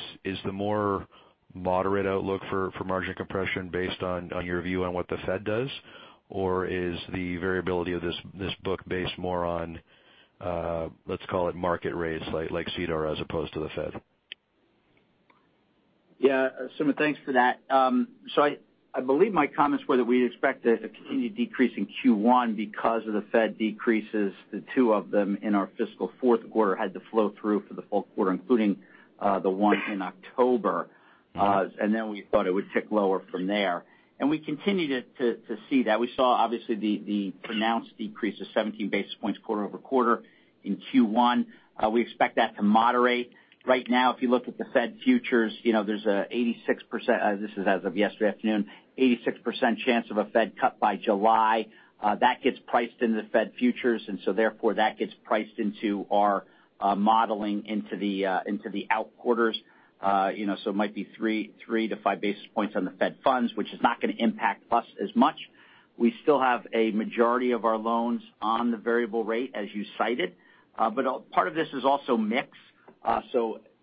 the more moderate outlook for margin compression based on your view on what the Fed does? Is the variability of this book based more on, let's call it market rates like CDOR as opposed to the Fed? Yeah. Sumit, thanks for that. I believe my comments were that we expect a continued decrease in Q1 because of the Federal Reserve decreases. The two of them in our fiscal fourth quarter had the flow-through for the full quarter including the one in October. Then we thought it would tick lower from there. We continue to see that. We saw obviously the pronounced decrease of 17 basis points quarter-over-quarter in Q1. We expect that to moderate. Right now, if you look at the Federal Reserve futures, there's an 86%, this is as of yesterday afternoon, 86% chance of a Federal Reserve cut by July. That gets priced into the Federal Reserve futures, therefore that gets priced into our modeling into the out quarters. It might be three to 5 basis points on the Federal Reserve funds, which is not going to impact us as much. We still have a majority of our loans on the variable rate as you cited. Part of this is also mix.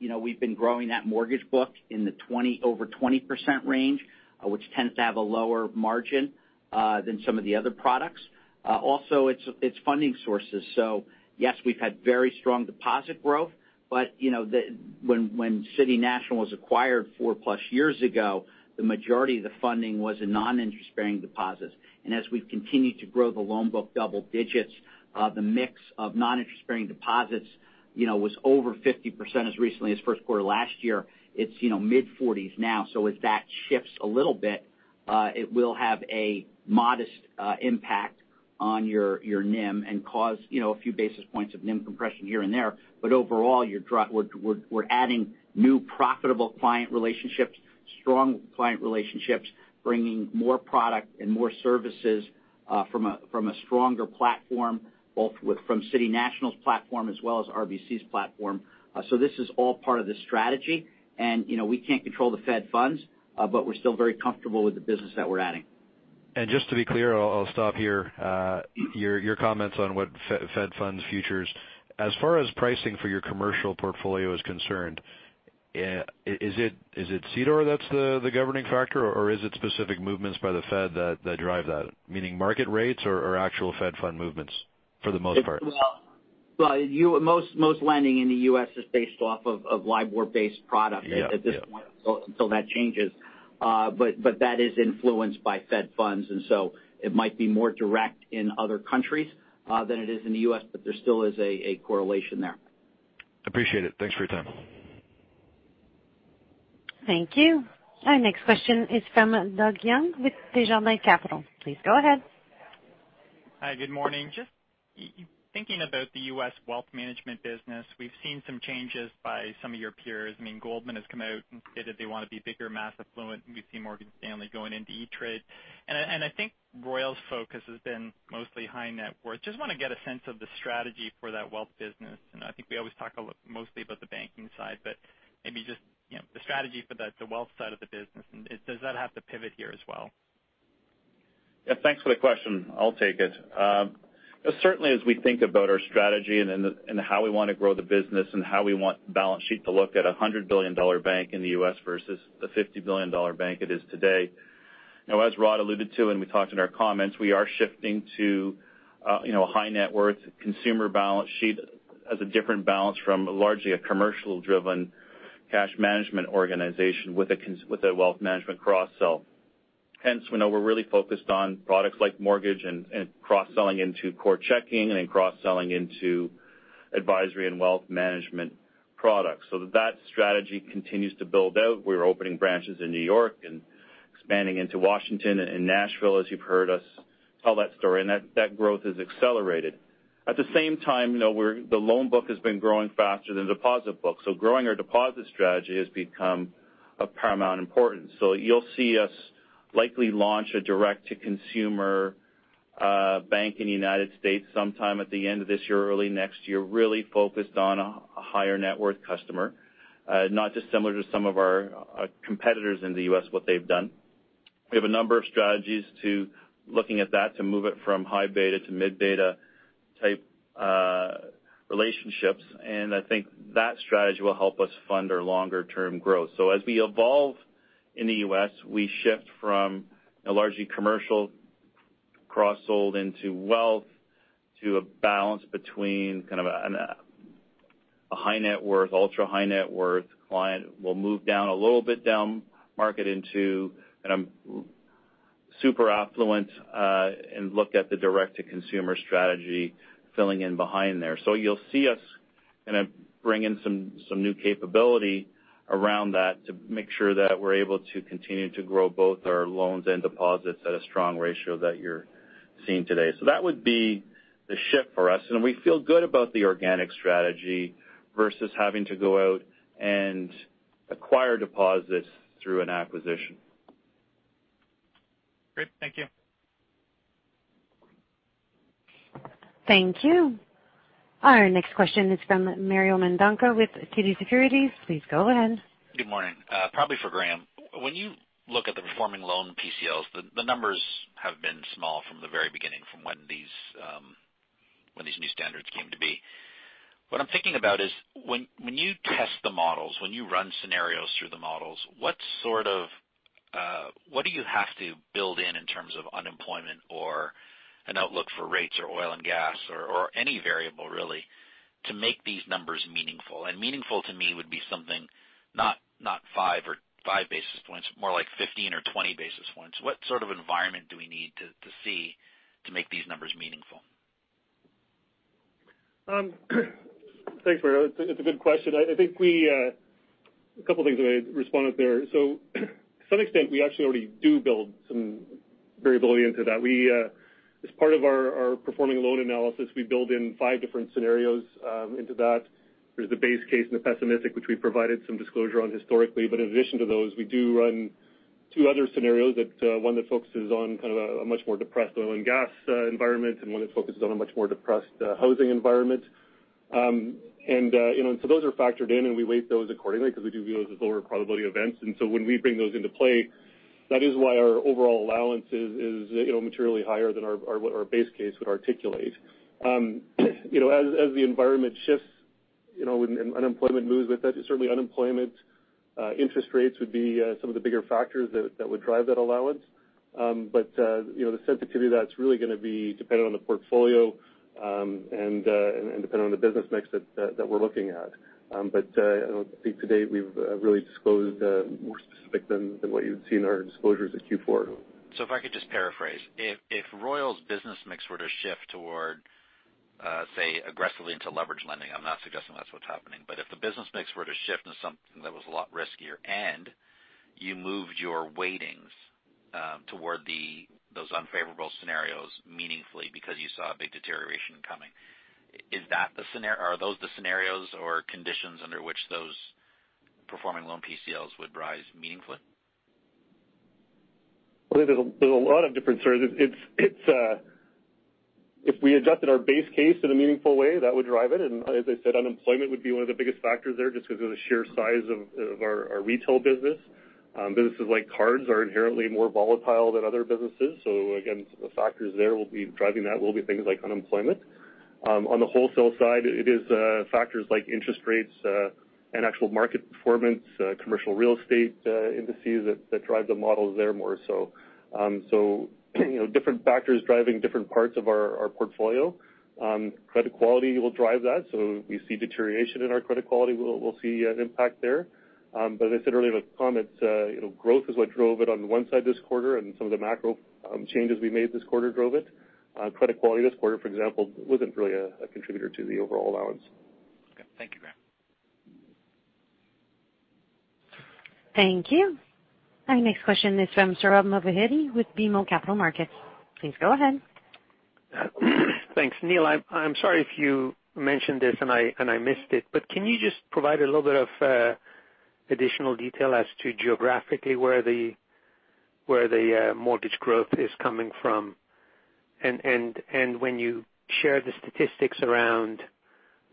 We've been growing that mortgage book in the over 20% range, which tends to have a lower margin than some of the other products. Also it's funding sources. Yes, we've had very strong deposit growth, but when City National was acquired four-plus years ago, the majority of the funding was in non-interest-bearing deposits. As we've continued to grow the loan book double digits, the mix of non-interest-bearing deposits was over 50% as recently as first quarter last year. It's mid-40s now. As that shifts a little bit, it will have a modest impact on your NIM and cause a few basis points of NIM compression here and there. Overall, we're adding new profitable client relationships, strong client relationships, bringing more product and more services from a stronger platform, both from City National's platform as well as RBC's platform. This is all part of the strategy. We can't control the Fed funds, but we're still very comfortable with the business that we're adding. Just to be clear, I'll stop here. Your comments on what Fed funds futures as far as pricing for your commercial portfolio is concerned, is it CDOR that's the governing factor or is it specific movements by the Fed that drive that? Meaning market rates or actual Fed fund movements for the most part? Well, most lending in the U.S. is based off of LIBOR-based product-. Yeah ...at this point until that changes. That is influenced by Fed funds, and so it might be more direct in other countries than it is in the U.S., but there still is a correlation there. Appreciate it. Thanks for your time. Thank you. Our next question is from Doug Young with Desjardins Capital. Please go ahead. Hi, good morning. Just thinking about the U.S. Wealth Management business, we've seen some changes by some of your peers. Goldman Sachs has come out and stated they want to be bigger, mass affluent, and we've seen Morgan Stanley going into E*TRADE. I think Royal's focus has been mostly high net worth. Just want to get a sense of the strategy for that wealth business. I think we always talk mostly about the banking side, but maybe just the strategy for the wealth side of the business, and does that have to pivot here as well? Thanks for the question. I'll take it. Certainly, as we think about our strategy and how we want to grow the business and how we want the balance sheet to look at a 100 billion dollar bank in the U.S. versus the 50 billion dollar bank it is today. As Rod alluded to and we talked in our comments, we are shifting to a high net worth consumer balance sheet as a different balance from largely a commercial-driven cash management organization with a wealth management cross-sell. We're really focused on products like mortgage and cross-selling into core checking, and then cross-selling into advisory and wealth management products. That strategy continues to build out. We're opening branches in New York and expanding into Washington and Nashville, as you've heard us tell that story, and that growth has accelerated. At the same time, the loan book has been growing faster than deposit books. Growing our deposit strategy has become of paramount importance. You'll see us likely launch a direct-to-consumer bank in the U.S. sometime at the end of this year or early next year, really focused on a higher net worth customer. Not dissimilar to some of our competitors in the U.S., what they've done. We have a number of strategies looking at that to move it from high beta to mid-beta type relationships, and I think that strategy will help us fund our longer-term growth. As we evolve in the U.S., we shift from a largely commercial cross-sold into wealth to a balance between kind of a high net worth, ultra high net worth client. We'll move down a little bit down market into super affluent and look at the direct-to-consumer strategy filling in behind there. You'll see us kind of bring in some new capability around that to make sure that we're able to continue to grow both our loans and deposits at a strong ratio that you're seeing today. That would be the shift for us, and we feel good about the organic strategy versus having to go out and acquire deposits through an acquisition. Great. Thank you. Thank you. Our next question is from Mario Mendonca with TD Securities. Please go ahead. Good morning. Probably for Graeme. When you look at the performing loan PCLs, the numbers have been small from the very beginning from when these new standards came to be. What I'm thinking about is when you test the models, when you run scenarios through the models, what do you have to build in terms of unemployment or an outlook for rates or oil and gas or any variable really, to make these numbers meaningful? Meaningful to me would be something not five or five basis points, more like 15 or 20 basis points. What sort of environment do we need to see to make these numbers meaningful? Thanks, Mario. It's a good question. A couple of things I responded there. To some extent, we actually already do build some variability into that. As part of our performing loan analysis, we build in five different scenarios into that. There's the base case and the pessimistic, which we provided some disclosure on historically. In addition to those, we do run two other scenarios, one that focuses on kind of a much more depressed oil and gas environment and one that focuses on a much more depressed housing environment. Those are factored in, and we weight those accordingly because we do view those as lower probability events. When we bring those into play, that is why our overall allowance is materially higher than what our base case would articulate. As the environment shifts, and unemployment moves with it, certainly unemployment interest rates would be some of the bigger factors that would drive that allowance. The sensitivity of that's really going to be dependent on the portfolio, and dependent on the business mix that we're looking at. I think to date, we've really disclosed more specific than what you've seen our disclosures at Q4. If I could just paraphrase. If Royal's business mix were to shift toward, say, aggressively into leverage lending, I'm not suggesting that's what's happening. If the business mix were to shift into something that was a lot riskier and you moved your weightings toward those unfavorable scenarios meaningfully because you saw a big deterioration coming, are those the scenarios or conditions under which those performing loan PCLs would rise meaningfully? Well, there's a lot of different sorts. If we adjusted our base case in a meaningful way, that would drive it, and as I said, unemployment would be one of the biggest factors there, just because of the sheer size of our retail business. Businesses like cards are inherently more volatile than other businesses. Again, the factors there will be driving that will be things like unemployment. On the wholesale side, it is factors like interest rates, and actual market performance, commercial real estate, indices that drive the models there more so. Different factors driving different parts of our portfolio. Credit quality will drive that. If we see deterioration in our credit quality, we'll see an impact there. As I said earlier in the comments, growth is what drove it on one side this quarter, and some of the macro changes we made this quarter drove it. Credit quality this quarter, for example, wasn't really a contributor to the overall allowance. Okay. Thank you, Graeme. Thank you. Our next question is from Sohrab Movahedi with BMO Capital Markets. Please go ahead. Thanks, Neil. I'm sorry if you mentioned this and I missed it, can you just provide a little bit of additional detail as to geographically where the mortgage growth is coming from? When you share the statistics around,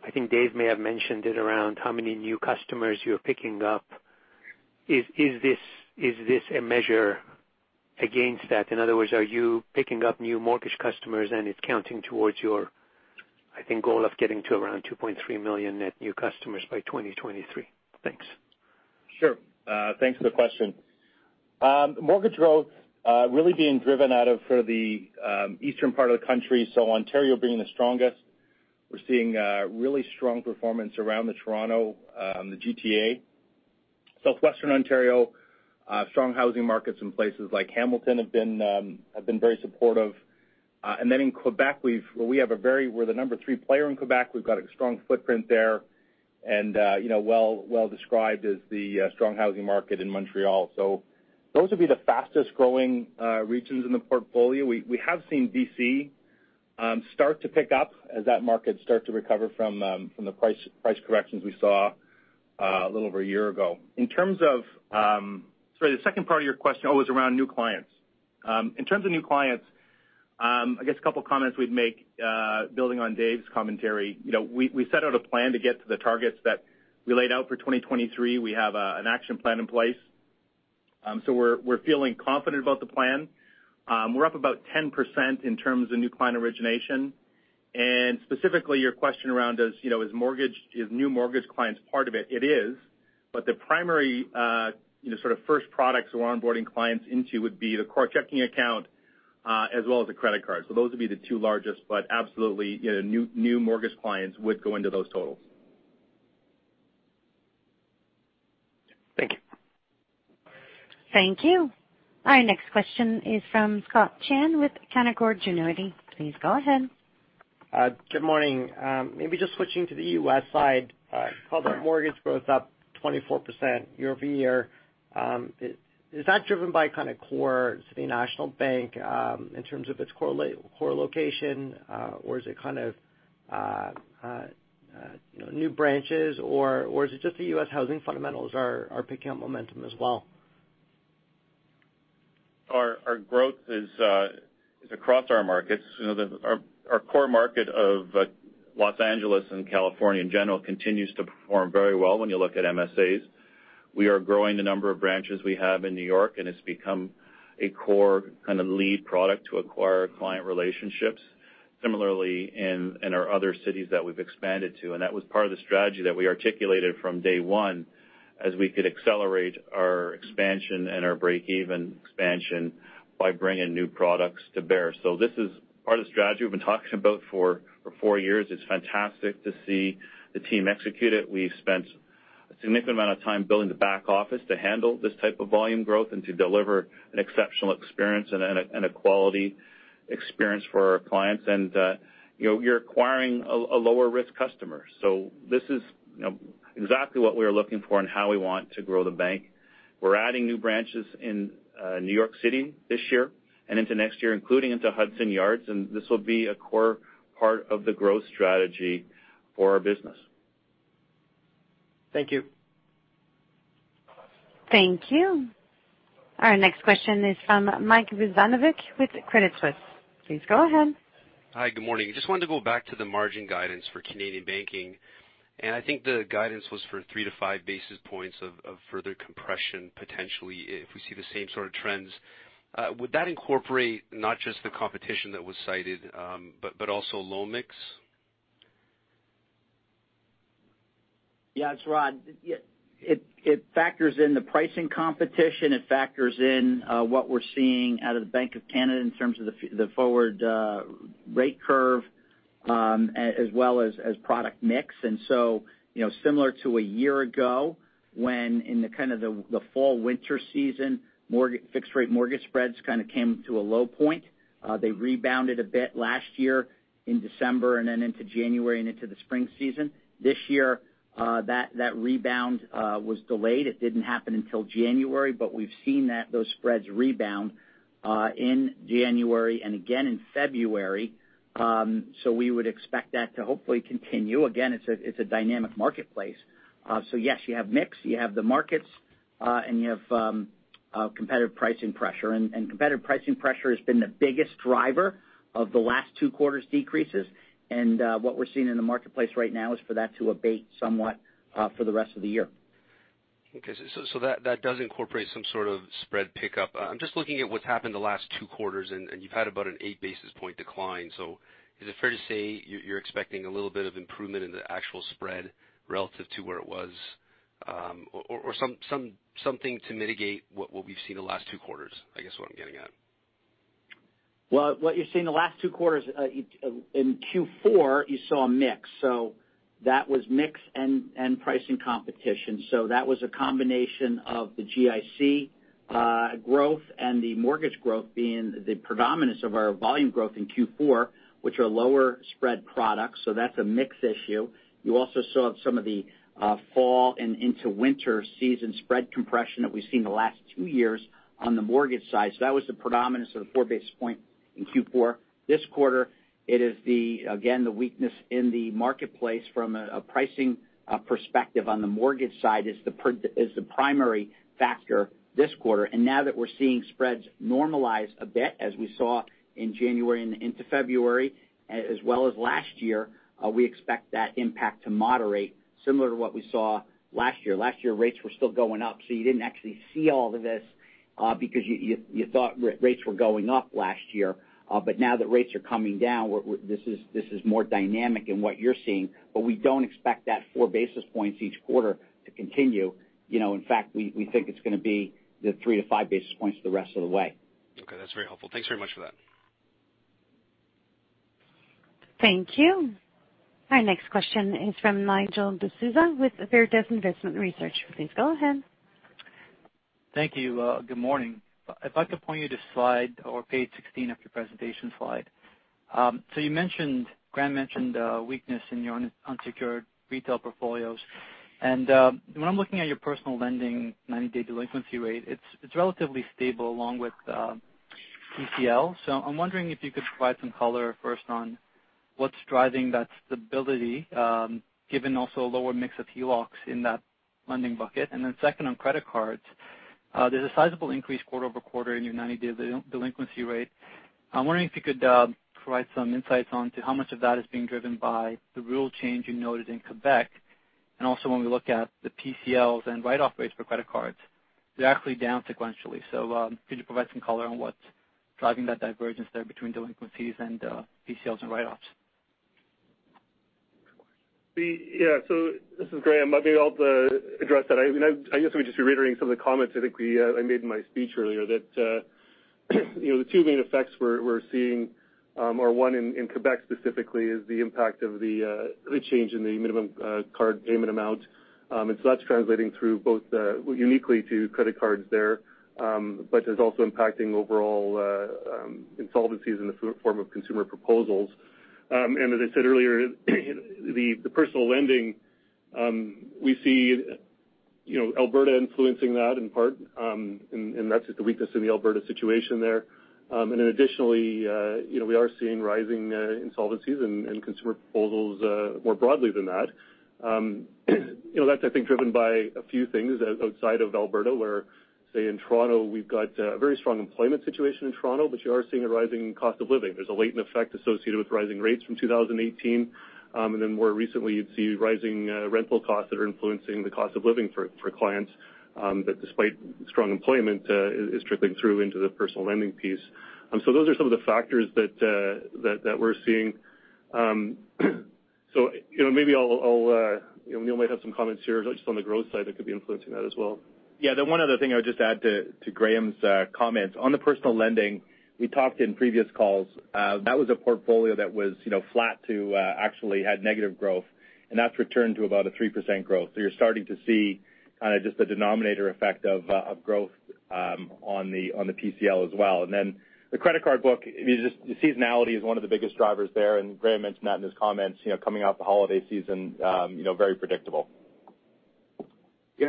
I think Dave may have mentioned it around how many new customers you're picking up, is this a measure against that? In other words, are you picking up new mortgage customers and it's counting towards your, I think, goal of getting to around 2.3 million net new customers by 2023? Thanks. Sure. Thanks for the question. Mortgage growth really being driven out of sort of the eastern part of the country. Ontario being the strongest. We're seeing a really strong performance around the Toronto, the GTA. Southwestern Ontario, strong housing markets in places like Hamilton have been very supportive. In Quebec, we're the number three player in Quebec. We've got a strong footprint there and well described as the strong housing market in Montreal. Those would be the fastest growing regions in the portfolio. We have seen BC start to pick up as that market start to recover from the price corrections we saw a little over a year ago. In terms of, Sorry, the second part of your question was around new clients. In terms of new clients, I guess a couple of comments we'd make, building on Dave's commentary. We set out a plan to get to the targets that we laid out for 2023. We have an action plan in place. We're feeling confident about the plan. We're up about 10% in terms of new client origination. Specifically, your question around is new mortgage clients part of it? It is, but the primary first products we're onboarding clients into would be the core checking account, as well as the credit card. Those would be the two largest, but absolutely, new mortgage clients would go into those totals. Thank you. Thank you. Our next question is from Scott Chan with Canaccord Genuity. Please go ahead. Good morning. Maybe just switching to the U.S. side. Sure public mortgage growth up 24% year-over-year. Is that driven by kind of core City National Bank in terms of its core location, or is it kind of new branches, or is it just the U.S. housing fundamentals are picking up momentum as well? Our growth is across our markets. Our core market of Los Angeles and California in general continues to perform very well when you look at MSAs. We are growing the number of branches we have in New York, and it's become a core kind of lead product to acquire client relationships. Similarly, in our other cities that we've expanded to, and that was part of the strategy that we articulated from day one as we could accelerate our expansion and our break-even expansion by bringing new products to bear. This is part of the strategy we've been talking about for four years. It's fantastic to see the team execute it. We've spent a significant amount of time building the back office to handle this type of volume growth and to deliver an exceptional experience and a quality experience for our clients. You're acquiring a lower risk customer. This is exactly what we are looking for and how we want to grow the bank. We're adding new branches in New York City this year and into next year, including into Hudson Yards, and this will be a core part of the growth strategy for our business. Thank you. Thank you. Our next question is from Mike Rizvanovic with Credit Suisse. Please go ahead. Hi, good morning. Just wanted to go back to the margin guidance for Canadian banking. I think the guidance was for three to five basis points of further compression, potentially, if we see the same sort of trends. Would that incorporate not just the competition that was cited, but also loan mix? Yeah, it's Rod. It factors in the pricing competition. It factors in what we're seeing out of the Bank of Canada in terms of the forward rate curve, as well as product mix. Similar to a year ago when in the kind of the fall winter season, fixed rate mortgage spreads kind of came to a low point. They rebounded a bit last year in December and then into January and into the spring season. This year, that rebound was delayed. It didn't happen until January. We've seen those spreads rebound in January and again in February. We would expect that to hopefully continue. Again, it's a dynamic marketplace. Yes, you have mix, you have the markets, and you have competitive pricing pressure. Competitive pricing pressure has been the biggest driver of the last two quarters' decreases. What we're seeing in the marketplace right now is for that to abate somewhat for the rest of the year. That does incorporate some sort of spread pickup. I'm just looking at what's happened the last two quarters, you've had about an eight basis point decline. Is it fair to say you're expecting a little bit of improvement in the actual spread relative to where it was? Something to mitigate what we've seen the last two quarters, I guess, is what I'm getting at. What you've seen the last two quarters, in Q4, you saw a mix. That was mix and pricing competition. That was a combination of the GIC growth and the mortgage growth being the predominance of our volume growth in Q4, which are lower spread products. That's a mix issue. You also saw some of the fall and into winter season spread compression that we've seen the last two years on the mortgage side. That was the predominance of the 4 basis points in Q4. This quarter, it is, again, the weakness in the marketplace from a pricing perspective on the mortgage side is the primary factor this quarter. Now that we're seeing spreads normalize a bit, as we saw in January and into February, as well as last year, we expect that impact to moderate similar to what we saw last year. Last year, rates were still going up, so you didn't actually see all of this because you thought rates were going up last year. Now that rates are coming down, this is more dynamic in what you're seeing. We don't expect that four basis points each quarter to continue. In fact, we think it's going to be the three to 5 basis points for the rest of the way. Okay, that's very helpful. Thanks very much for that. Thank you. Our next question is from Nigel D'Souza with Veritas Investment Research. Please go ahead. Thank you. Good morning. I'd like to point you to slide or page 16 of your presentation slide. Graeme mentioned weakness in your unsecured retail portfolios. When I'm looking at your personal lending 90-day delinquency rate, it's relatively stable along with PCL. I'm wondering if you could provide some color first on what's driving that stability given also a lower mix of HELOCs in that lending bucket. Then second on credit cards, there's a sizable increase quarter-over-quarter in your 90-day delinquency rate. I'm wondering if you could provide some insights on to how much of that is being driven by the rule change you noted in Quebec. Also when we look at the PCLs and write-off rates for credit cards, they're actually down sequentially. Could you provide some color on what's driving that divergence there between delinquencies and PCLs and write-offs? Yeah. This is Graeme. Maybe I'll address that. I guess I'm just reiterating some of the comments I think I made in my speech earlier that the two main effects we're seeing are one in Quebec specifically is the impact of the change in the minimum card payment amount. That's translating through both uniquely to credit cards there. Is also impacting overall insolvencies in the form of consumer proposals. As I said earlier, the personal lending we see Alberta influencing that in part, and that's just the weakness in the Alberta situation there. Additionally we are seeing rising insolvencies and consumer proposals more broadly than that. That's, I think, driven by a few things outside of Alberta, where, say, in Toronto, we've got a very strong employment situation in Toronto, but you are seeing a rising cost of living. There's a latent effect associated with rising rates from 2018. More recently, you'd see rising rental costs that are influencing the cost of living for clients that despite strong employment is trickling through into the personal lending piece. Those are some of the factors that we're seeing. Maybe Neil might have some comments here just on the growth side that could be influencing that as well. Yeah. The one other thing I would just add to Graeme's comments. On the personal lending, we talked in previous calls that was a portfolio that was flat to actually had negative growth, and that's returned to about a 3% growth. You're starting to see kind of just the denominator effect of growth on the PCL as well. The credit card book, seasonality is one of the biggest drivers there, and Graeme mentioned that in his comments, coming off the holiday season, very predictable. Yeah.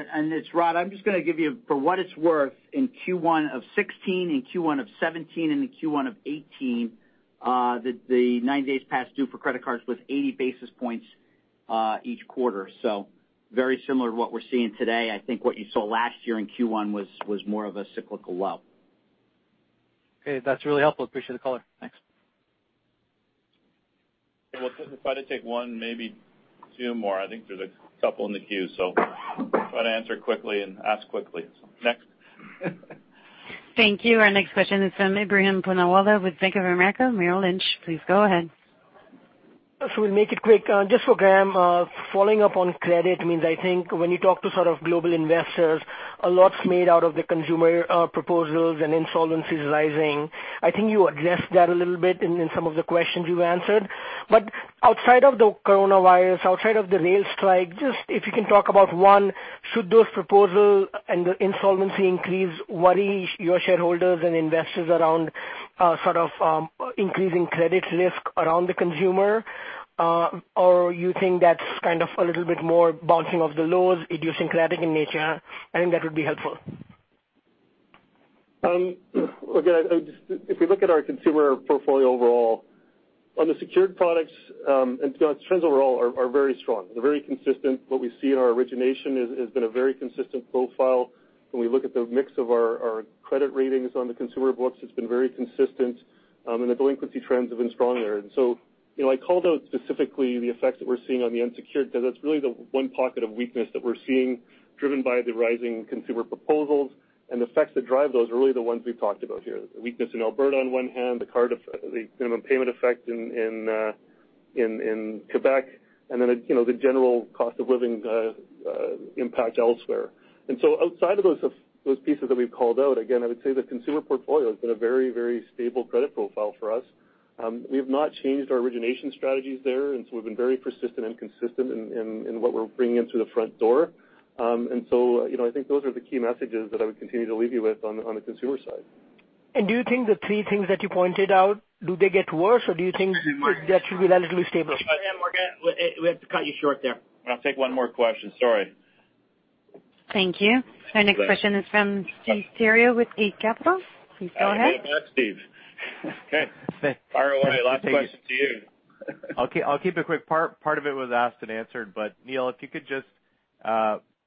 It's Rod, I'm just going to give you for what it's worth in Q1 of 2016 and Q1 of 2017 and the Q1 of 2018 the 90 days past due for credit cards was 80 basis points each quarter. Very similar to what we're seeing today. I think what you saw last year in Q1 was more of a cyclical low. Okay. That's really helpful. Appreciate the color. Thanks. We'll try to take one, maybe two more. I think there's a couple in the queue, so try to answer quickly and ask quickly. Next. Thank you. Our next question is from Ebrahim Poonawala with Bank of America, Merrill Lynch. Please go ahead. We'll make it quick. Just for Graeme following up on credit means I think when you talk to sort of global investors, a lot's made out of the consumer proposals and insolvencies rising. I think you addressed that a little bit in some of the questions you answered. Outside of the coronavirus, outside of the rail strike, just if you can talk about one, should those proposal and the insolvency increase worry your shareholders and investors around sort of increasing credit risk around the consumer? You think that's kind of a little bit more bouncing off the lows, idiosyncratic in nature? I think that would be helpful. Again, if we look at our consumer portfolio overall. On the secured products, and trends overall are very strong. They're very consistent. What we see in our origination has been a very consistent profile. When we look at the mix of our credit ratings on the consumer books, it's been very consistent, and the delinquency trends have been strong there. I called out specifically the effects that we're seeing on the unsecured because that's really the one pocket of weakness that we're seeing, driven by the rising consumer proposals. The effects that drive those are really the ones we've talked about here. The weakness in Alberta on one hand, the minimum payment effect in Quebec, and then the general cost of living impact elsewhere. Outside of those pieces that we've called out, again, I would say the consumer portfolio has been a very stable credit profile for us. We have not changed our origination strategies there, and so we've been very persistent and consistent in what we're bringing in through the front door. I think those are the key messages that I would continue to leave you with on the consumer side. Do you think the three things that you pointed out, do they get worse or do you think that should be relatively stable? Ebrahim, we have to cut you short there. I'll take one more question. Sorry. Thank you. Our next question is from Steve Theriault with Eight Capital. Please go ahead. Hey, Steve. Okay. Fire away. Last question to you. Okay, I'll keep it quick. Part of it was asked and answered, but Neil, if you could just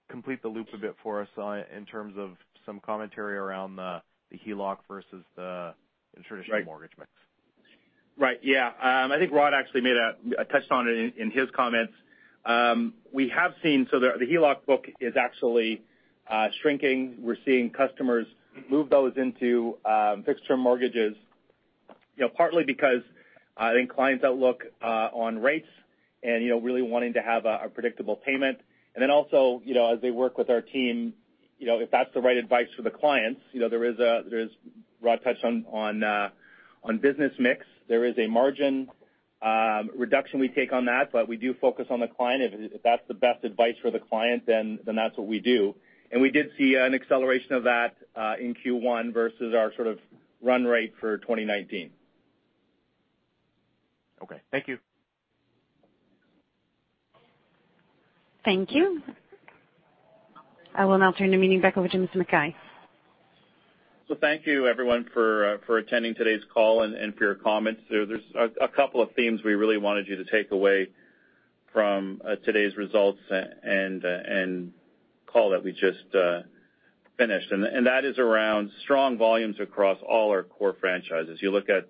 complete the loop a bit for us in terms of some commentary around the HELOC versus the traditional mortgage mix. I think Rod actually touched on it in his comments. The HELOC book is actually shrinking. We're seeing customers move those into fixed-term mortgages, partly because I think clients' outlook on rates and really wanting to have a predictable payment. Also as they work with our team, if that's the right advice for the clients, Rod touched on business mix. There is a margin reduction we take on that, we do focus on the client. If that's the best advice for the client, that's what we do. We did see an acceleration of that in Q1 versus our sort of run rate for 2019. Okay. Thank you. Thank you. I will now turn the meeting back over to Mr. McKay. Thank you everyone for attending today's call and for your comments. There's a couple of themes we really wanted you to take away from today's results and call that we just finished. That is around strong volumes across all our core franchises. You look at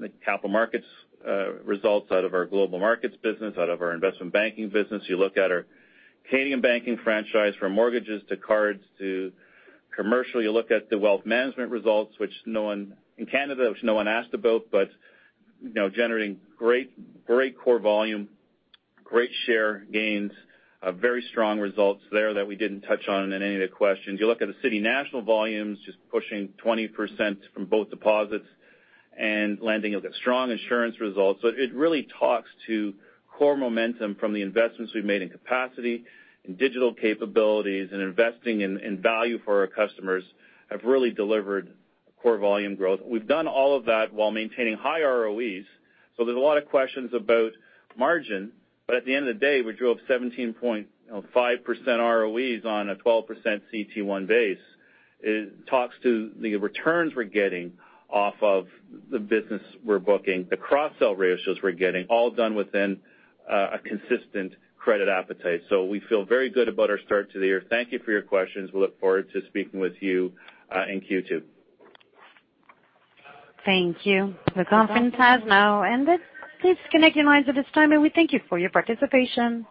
the Capital Markets results out of our global markets business, out of our investment banking business. You look at our Canadian banking franchise, from mortgages to cards to commercial. You look at the wealth management results in Canada, which no one asked about, but generating great core volume, great share gains, very strong results there that we didn't touch on in any of the questions. You look at the City National volumes, just pushing 20% from both deposits and lending. You look at strong insurance results. It really talks to core momentum from the investments we've made in capacity and digital capabilities and investing in value for our customers have really delivered core volume growth. We've done all of that while maintaining high ROEs. There's a lot of questions about margin. At the end of the day, we drove 17.5% ROEs on a 12% CET1 base. It talks to the returns we're getting off of the business we're booking, the cross-sell ratios we're getting, all done within a consistent credit appetite. We feel very good about our start to the year. Thank you for your questions. We look forward to speaking with you in Q2. Thank you. The conference has now ended. Please disconnect your lines at this time, and we thank you for your participation.